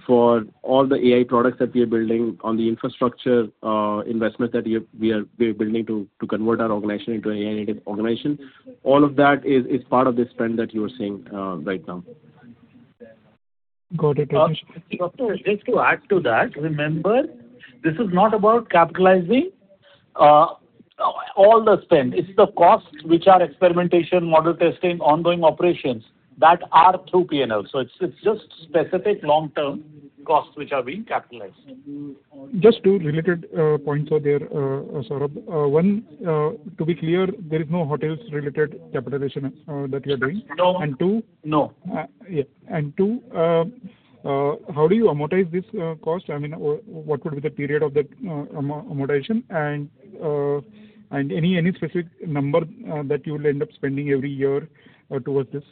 for all the AI products that we are building on the infrastructure investment that we are building to convert our organization into an AI-native organization, all of that is part of the spend that you are seeing right now. Got it, Rajnish. Swapnil, just to add to that, remember, this is not about capitalizing all the spend. It's the costs which are experimentation, model testing, ongoing operations that are through P&L. It's just specific long-term costs which are being capitalized. Just two related points are there, Saurabh. One, to be clear, there is no hotels related capitalization that you're doing. No. And two- No Yeah, and two, how do you amortize this cost? I mean, what would be the period of that amortization? Any specific number that you will end up spending every year towards this?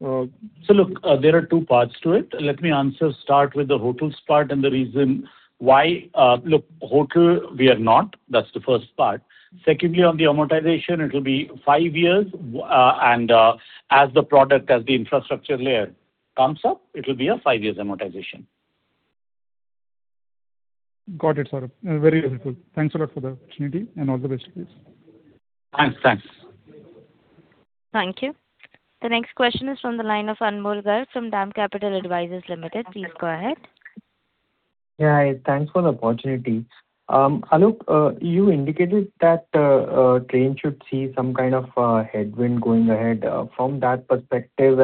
Look, there are two parts to it. Let me start with the hotels part and the reason why. Look, hotel, we are not. That's the first part. Secondly, on the amortization, it will be five years. As the product, as the infrastructure layer comes up, it will be a five years amortization. Got it, Saurabh. Very helpful. Thanks a lot for the opportunity, and all the best, please. Thanks. Thank you. The next question is from the line of Anmol Garg from DAM Capital Advisors Limited. Please go ahead. Yeah. Thanks for the opportunity. Aloke, you indicated that train should see some kind of headwind going ahead. From that perspective,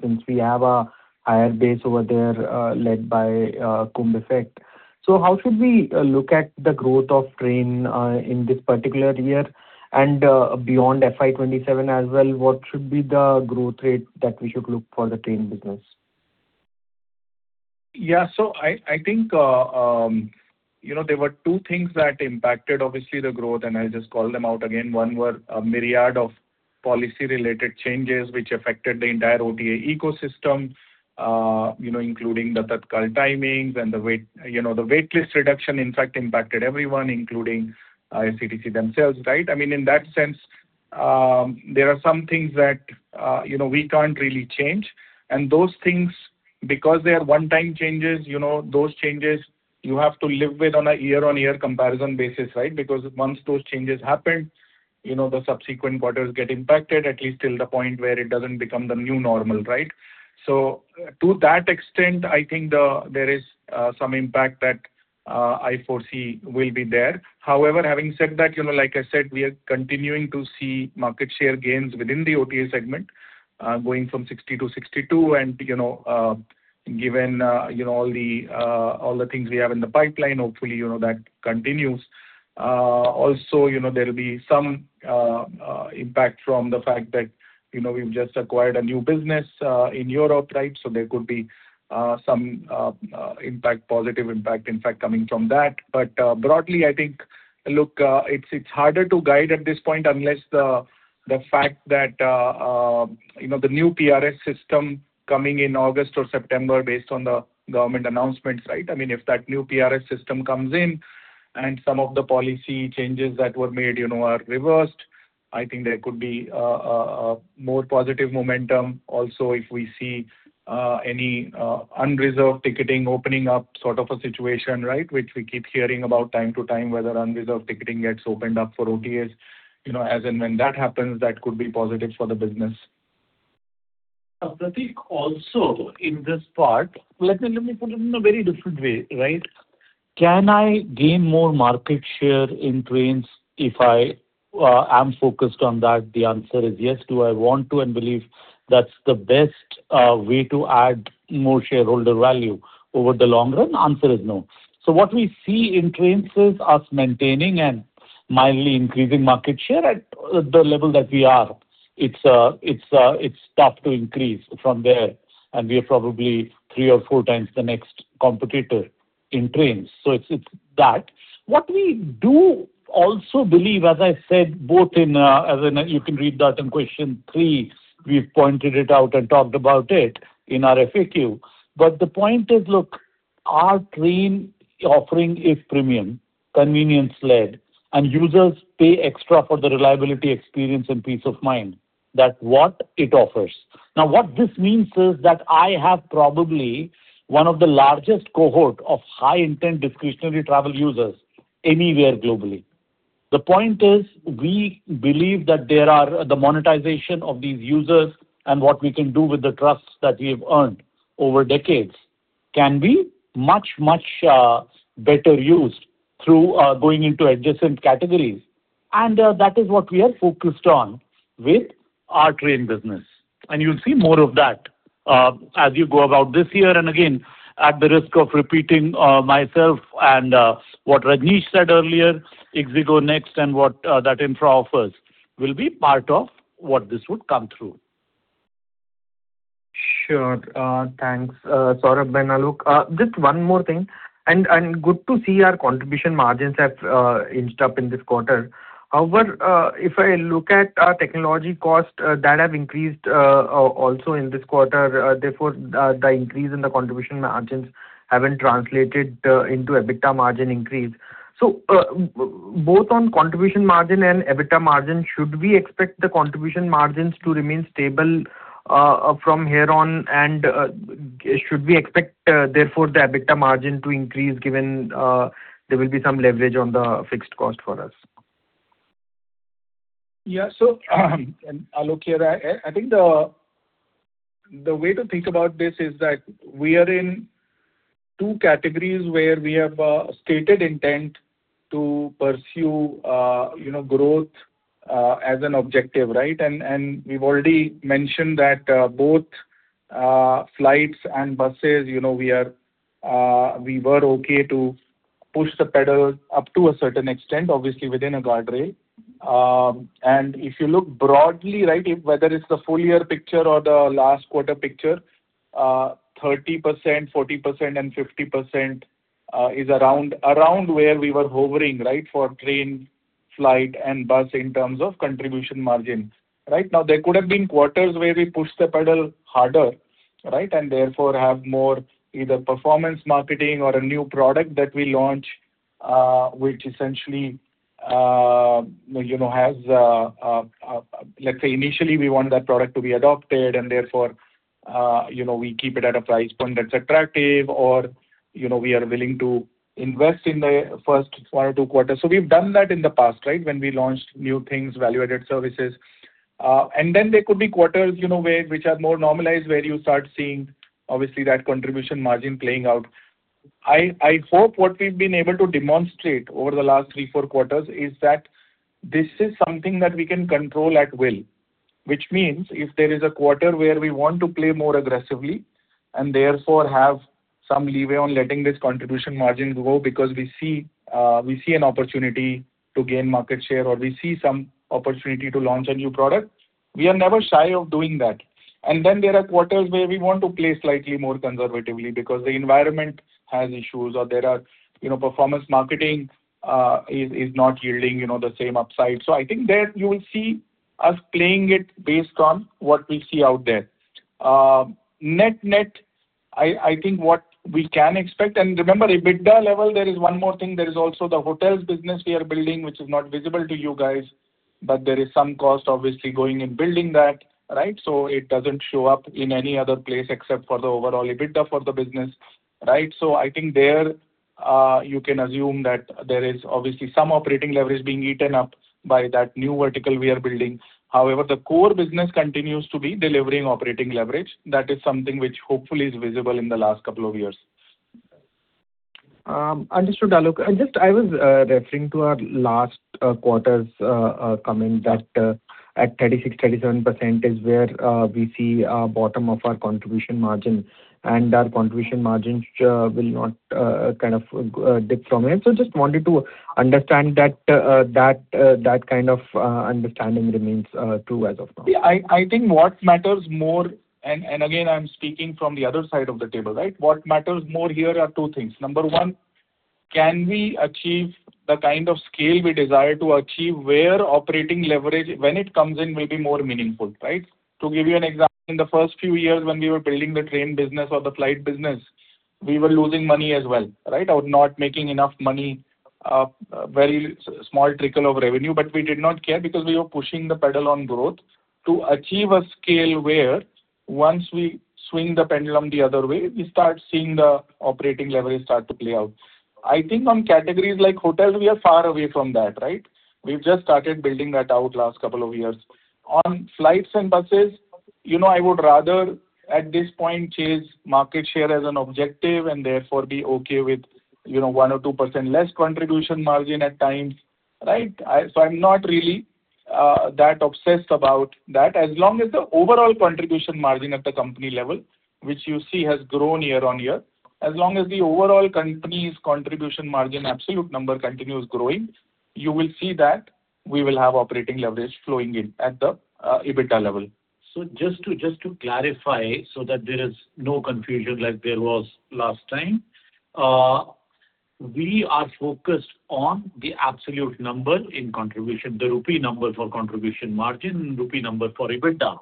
since we have a higher base over there led by Kumbh effect. How should we look at the growth of train in this particular year and beyond FY 2027 as well? What should be the growth rate that we should look for the train business? I think there were two things that impacted, obviously, the growth, and I'll just call them out again. One were a myriad of policy-related changes which affected the entire OTA ecosystem, including the Tatkal timings and the waitlist reduction, in fact, impacted everyone, including IRCTC themselves, right? In that sense, there are some things that we can't really change. Those things, because they are one-time changes, those changes you have to live with on a year-on-year comparison basis, right? Once those changes happen, the subsequent quarters get impacted, at least till the point where it doesn't become the new normal, right? To that extent, I think there is some impact that I foresee will be there. Having said that, like I said, we are continuing to see market share gains within the OTA segment, going from 60 to 62, and given all the things we have in the pipeline, hopefully, that continues. There'll be some impact from the fact that we've just acquired a new business in Europe. There could be some positive impact, in fact, coming from that. Broadly, I think, look, it's harder to guide at this point, unless the fact that the new PRS system coming in August or September based on the government announcements. If that new PRS system comes in and some of the policy changes that were made are reversed, I think there could be a more positive momentum. If we see any unreserved ticketing opening up sort of a situation, which we keep hearing about time to time, whether unreserved ticketing gets opened up for OTAs. When that happens, that could be positive for the business. A the peak also in this part, let me put it in a very different way. Can I gain more market share in trains if I am focused on that? The answer is yes. Do I want to and believe that's the best way to add more shareholder value over the long run? The answer is no. What we see in trains is us maintaining and mildly increasing market share at the level that we are. It's tough to increase from there, and we are probably three or four times the next competitor in trains. It's that. What we do also believe, as I said, you can read that in question three, we've pointed it out and talked about it in our FAQ. The point is, look, our train offering is premium, convenience-led, and users pay extra for the reliability, experience, and peace of mind. That's what it offers. What this means is that I have probably one of the largest cohort of high-intent discretionary travel users anywhere globally. The point is, we believe that the monetization of these users, and what we can do with the trust that we have earned over decades can be much better used through going into adjacent categories. That is what we are focused on with our train business. You'll see more of that as you go about this year. Again, at the risk of repeating myself and what Rajnish said earlier, ixigo Next and what that infra offers will be part of what this would come through. Sure. Thanks, Saurabh and Aloke. Just one more thing, good to see our contribution margins have inched up in this quarter. However, if I look at our technology cost that have increased also in this quarter, therefore the increase in the contribution margins haven't translated into EBITDA margin increase. Both on contribution margin and EBITDA margin, should we expect the contribution margins to remain stable from here on? Should we expect therefore the EBITDA margin to increase given there will be some leverage on the fixed cost for us? Yeah. Aloke here. I think the way to think about this is that we are in two categories where we have a stated intent to pursue growth as an objective. We've already mentioned that both flights and buses, we were okay to push the pedal up to a certain extent, obviously within a guardrail. If you look broadly, whether it's the full-year picture or the last quarter picture, 30%, 40%, and 50% is around where we were hovering for train, flight, and bus in terms of contribution margin. There could have been quarters where we pushed the pedal harder and therefore have more either performance marketing or a new product that we launch, which essentially Let's say, initially we want that product to be adopted, and therefore, we keep it at a price point that's attractive or we are willing to invest in the first one or two quarters. We've done that in the past when we launched new things, value-added services. There could be quarters which are more normalized, where you start seeing, obviously, that contribution margin playing out. I hope what we've been able to demonstrate over the last three, four quarters is that this is something that we can control at will. Which means if there is a quarter where we want to play more aggressively and therefore have some leeway on letting this contribution margin go, because we see an opportunity to gain market share, or we see some opportunity to launch a new product, we are never shy of doing that. There are quarters where we want to play slightly more conservatively because the environment has issues or there are performance marketing is not yielding the same upside. I think there you will see us playing it based on what we see out there. Net-net, I think what we can expect. Remember, EBITDA level, there is one more thing. There is also the hotels business we are building, which is not visible to you guys, but there is some cost obviously going in building that, right? It doesn't show up in any other place except for the overall EBITDA for the business, right? I think there, you can assume that there is obviously some operating leverage being eaten up by that new vertical we are building. However, the core business continues to be delivering operating leverage. That is something which hopefully is visible in the last couple of years. Understood, Aloke. I was referring to our last quarter's comment that at 36%, 37% is where we see our bottom of our contribution margin, and our contribution margins will not kind of dip from here. Just wanted to understand that kind of understanding remains true as of now. Yeah, I think what matters more, again, I'm speaking from the other side of the table, right? What matters more here are two things. Number one, can we achieve the kind of scale we desire to achieve where operating leverage, when it comes in, may be more meaningful, right? To give you an example, in the first few years when we were building the train business or the flight business, we were losing money as well, right, not making enough money, very small trickle of revenue. We did not care because we were pushing the pedal on growth to achieve a scale where once we swing the pendulum the other way, we start seeing the operating leverage start to play out. I think on categories like hotels, we are far away from that, right? We've just started building that out last couple of years. On flights and buses, I would rather, at this point, chase market share as an objective and therefore be okay with 1% or 2% less contribution margin at times, right. I'm not really that obsessed about that. As long as the overall contribution margin at the company level, which you see has grown year-over-year, as long as the overall company's contribution margin, absolute number continues growing, you will see that we will have operating leverage flowing in at the EBITDA level. Just to clarify so that there is no confusion like there was last time, we are focused on the absolute number in contribution, the rupee number for contribution margin, rupee number for EBITDA,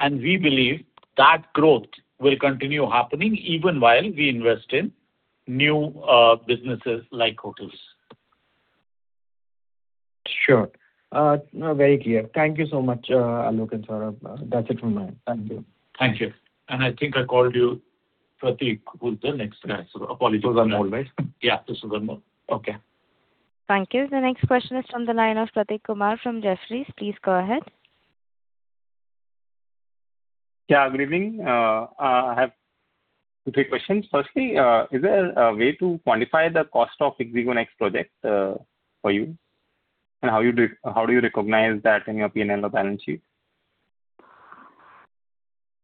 and we believe that growth will continue happening even while we invest in new businesses like hotels. Sure. Very clear. Thank you so much, Aloke and Saurabh. That's it from my end. Thank you. Thank you. I think I called you Prateek, who's the next guy. Apologies for that. Sugarmal, right? Yeah. Sugarmal. Okay. Thank you. The next question is from the line of Prateek Kumar from Jefferies. Please go ahead. Yeah, good evening. I have three questions. Is there a way to quantify the cost of the ixigo Next project for you, and how do you recognize that in your P&L or balance sheet?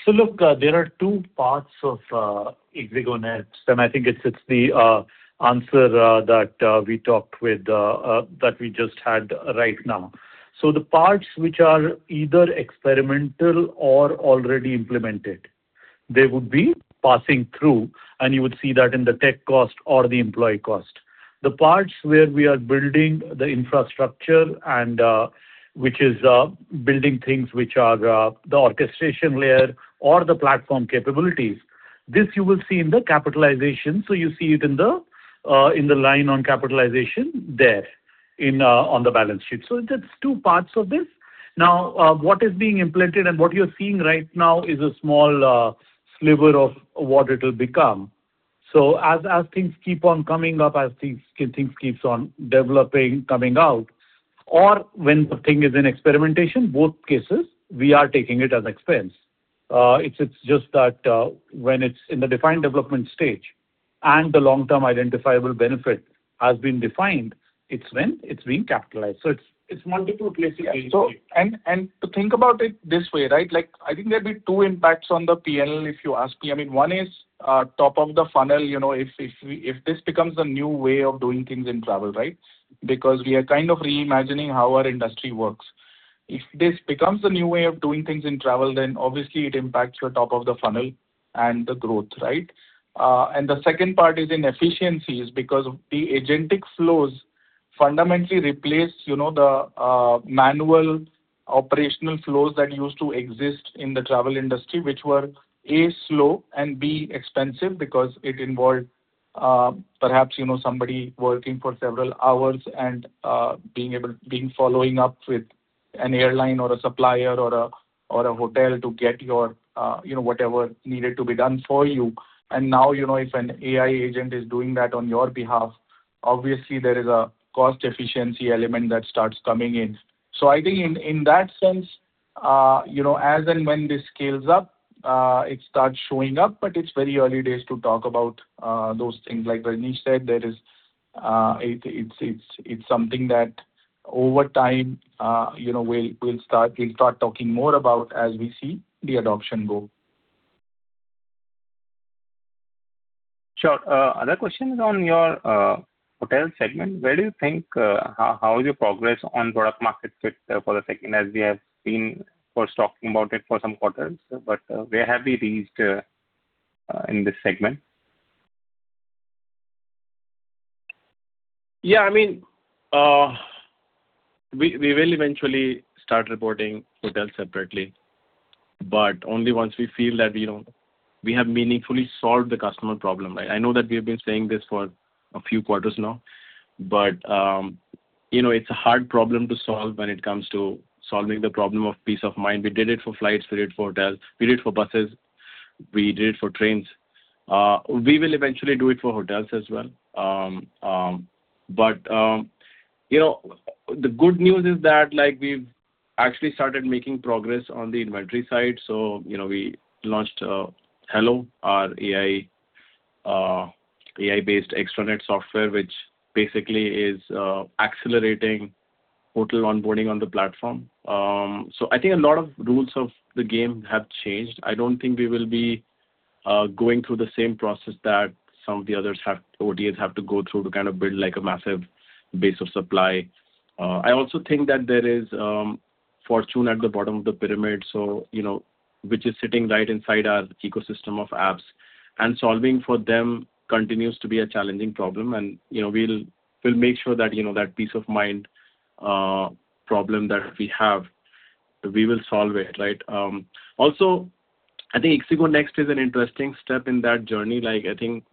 Look, there are two parts of ixigo Next, and I think it's the answer that we just had right now. The parts which are either experimental or already implemented, they would be passing through, and you would see that in the tech cost or the employee cost. The parts where we are building the infrastructure and which is building things which are the orchestration layer or the platform capabilities, this you will see in the capitalization. You see it in the line on capitalization there on the balance sheet. That's two parts of this. What is being implemented and what you're seeing right now is a small sliver of what it'll become. As things keep on coming up, as things keeps on developing, coming out, or when the thing is in experimentation, both cases, we are taking it as expense. It's just that when it's in the defined development stage and the long-term identifiable benefit has been defined, it's when it's being capitalized. It's multiple places. Yeah. To think about it this way, right? I think there'll be two impacts on the P&L if you ask me. One is top of the funnel. If this becomes a new way of doing things in travel, right? We are kind of reimagining how our industry works. If this becomes the new way of doing things in travel, obviously it impacts your top of the funnel and the growth, right? The second part is in efficiencies because the agentic flows fundamentally replace the manual operational flows that used to exist in the travel industry, which were, A, slow, and B, expensive because it involved perhaps somebody working for several hours following up with an airline or a supplier or a hotel to get your whatever needed to be done for you. Now, if an AI agent is doing that on your behalf, obviously there is a cost efficiency element that starts coming in. I think in that sense, as and when this scales up, it starts showing up. It's very early days to talk about those things. It's something that over time, we'll start talking more about as we see the adoption go. Sure. Other question is on your hotel segment. How is your progress on product market fit for the segment, as we have been first talking about it for some quarters, but where have we reached in this segment? Yeah, we will eventually start reporting hotels separately, but only once we feel that we have meaningfully solved the customer problem. I know that we have been saying this for a few quarters now, but it's a hard problem to solve when it comes to solving the problem of peace of mind. We did it for flights, we did it for hotels, we did it for buses, we did it for trains. We will eventually do it for hotels as well. The good news is that we've actually started making progress on the inventory side. We launched HELLO, our AI-based extranet software, which basically is accelerating hotel onboarding on the platform. I think a lot of rules of the game have changed. I don't think we will be going through the same process that some of the others have, OTAs have to go through to build a massive base of supply. I think that there is fortune at the bottom of the pyramid, which is sitting right inside our ecosystem of apps. Solving for them continues to be a challenging problem. We'll make sure that that peace of mind problem that we have, we will solve it. I think ixigo Next is an interesting step in that journey. I think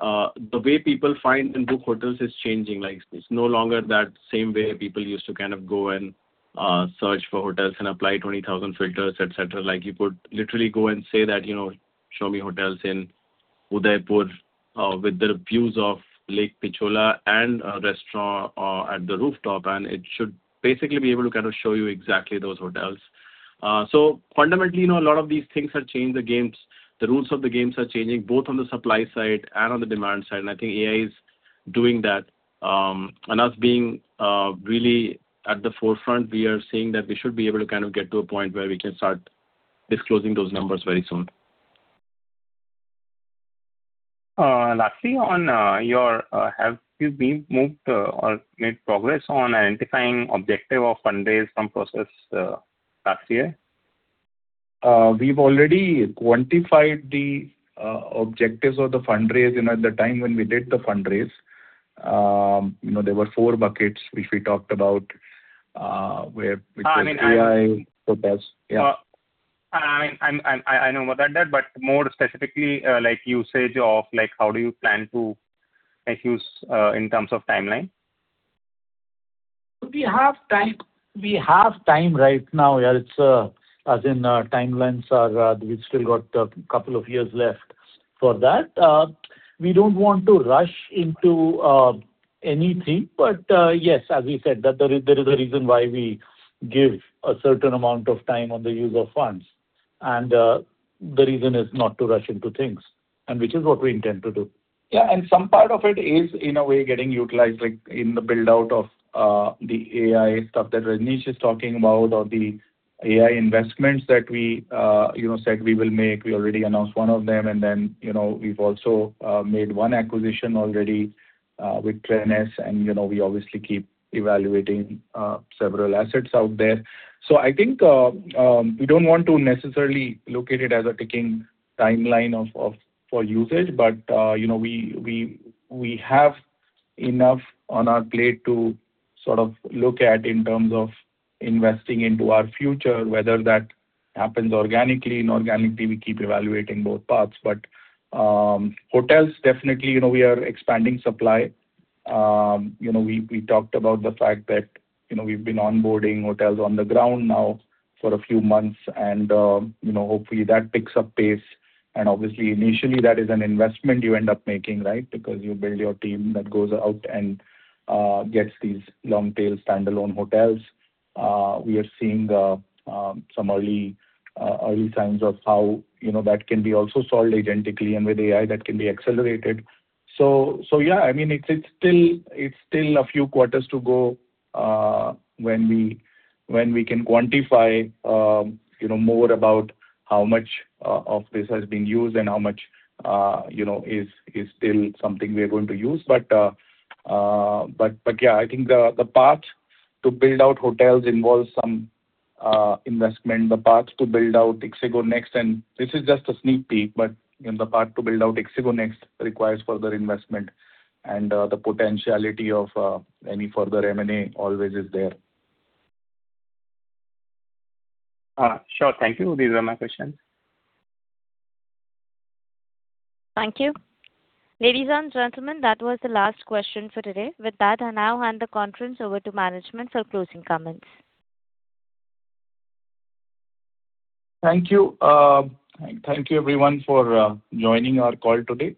the way people find and book hotels is changing. It's no longer that same way people used to go and search for hotels and apply 20,000 filters, et cetera. You could literally go and say, "Show me hotels in Udaipur with the views of Lake Pichola and a restaurant at the rooftop," it should basically be able to show you exactly those hotels. Fundamentally, a lot of these things have changed the games. The rules of the games are changing, both on the supply side and on the demand side, I think AI is doing that. Us being really at the forefront, we are seeing that we should be able to get to a point where we can start disclosing those numbers very soon. Lastly, have you moved or made progress on identifying objective of fundraise from process last year? We've already quantified the objectives of the fundraise at the time when we did the fundraise. There were four buckets which we talked about. I mean. AI, hotels. Yeah. I know about that, but more specifically, usage of how do you plan to make use, in terms of timeline? We have time right now. As in timelines are, we've still got a couple of years left for that. We don't want to rush into anything. Yes, as we said, that there is a reason why we give a certain amount of time on the use of funds. The reason is not to rush into things, and which is what we intend to do. Yeah. Some part of it is, in a way, getting utilized in the build-out of the AI stuff that Rajnish is talking about, or the AI investments that we said we will make. We already announced one of them, and then we've also made one acquisition already, with CheckMyBus, and we obviously keep evaluating several assets out there. I think, we don't want to necessarily look at it as a ticking timeline for usage. We have enough on our plate to look at in terms of investing into our future, whether that happens organically, inorganically, we keep evaluating both parts. Hotels, definitely, we are expanding supply. We talked about the fact that we've been onboarding hotels on the ground now for a few months and, hopefully that picks up pace. Obviously, initially, that is an investment you end up making. Because you build your team that goes out and gets these long-tail standalone hotels. We are seeing some early signs of how that can be also solved identically, and with AI, that can be accelerated. Yeah, it's still a few quarters to go, when we can quantify more about how much of this has been used and how much is still something we are going to use. Yeah, I think the path to build out hotels involves some investment. The path to build out ixigo Next, and this is just a sneak peek, but the path to build out ixigo Next requires further investment and the potentiality of any further M&A always is there. Sure. Thank you. These are my questions. Thank you. Ladies and gentlemen, that was the last question for today. With that, I now hand the conference over to management for closing comments. Thank you. Thank you everyone for joining our call today.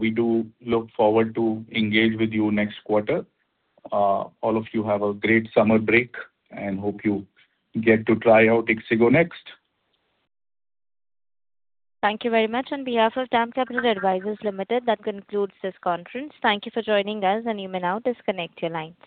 We do look forward to engage with you next quarter. All of you have a great summer break. Hope you get to try out ixigo Next. Thank you very much. On behalf of DAM Capital Advisors Limited, that concludes this conference. Thank you for joining us and you may now disconnect your lines.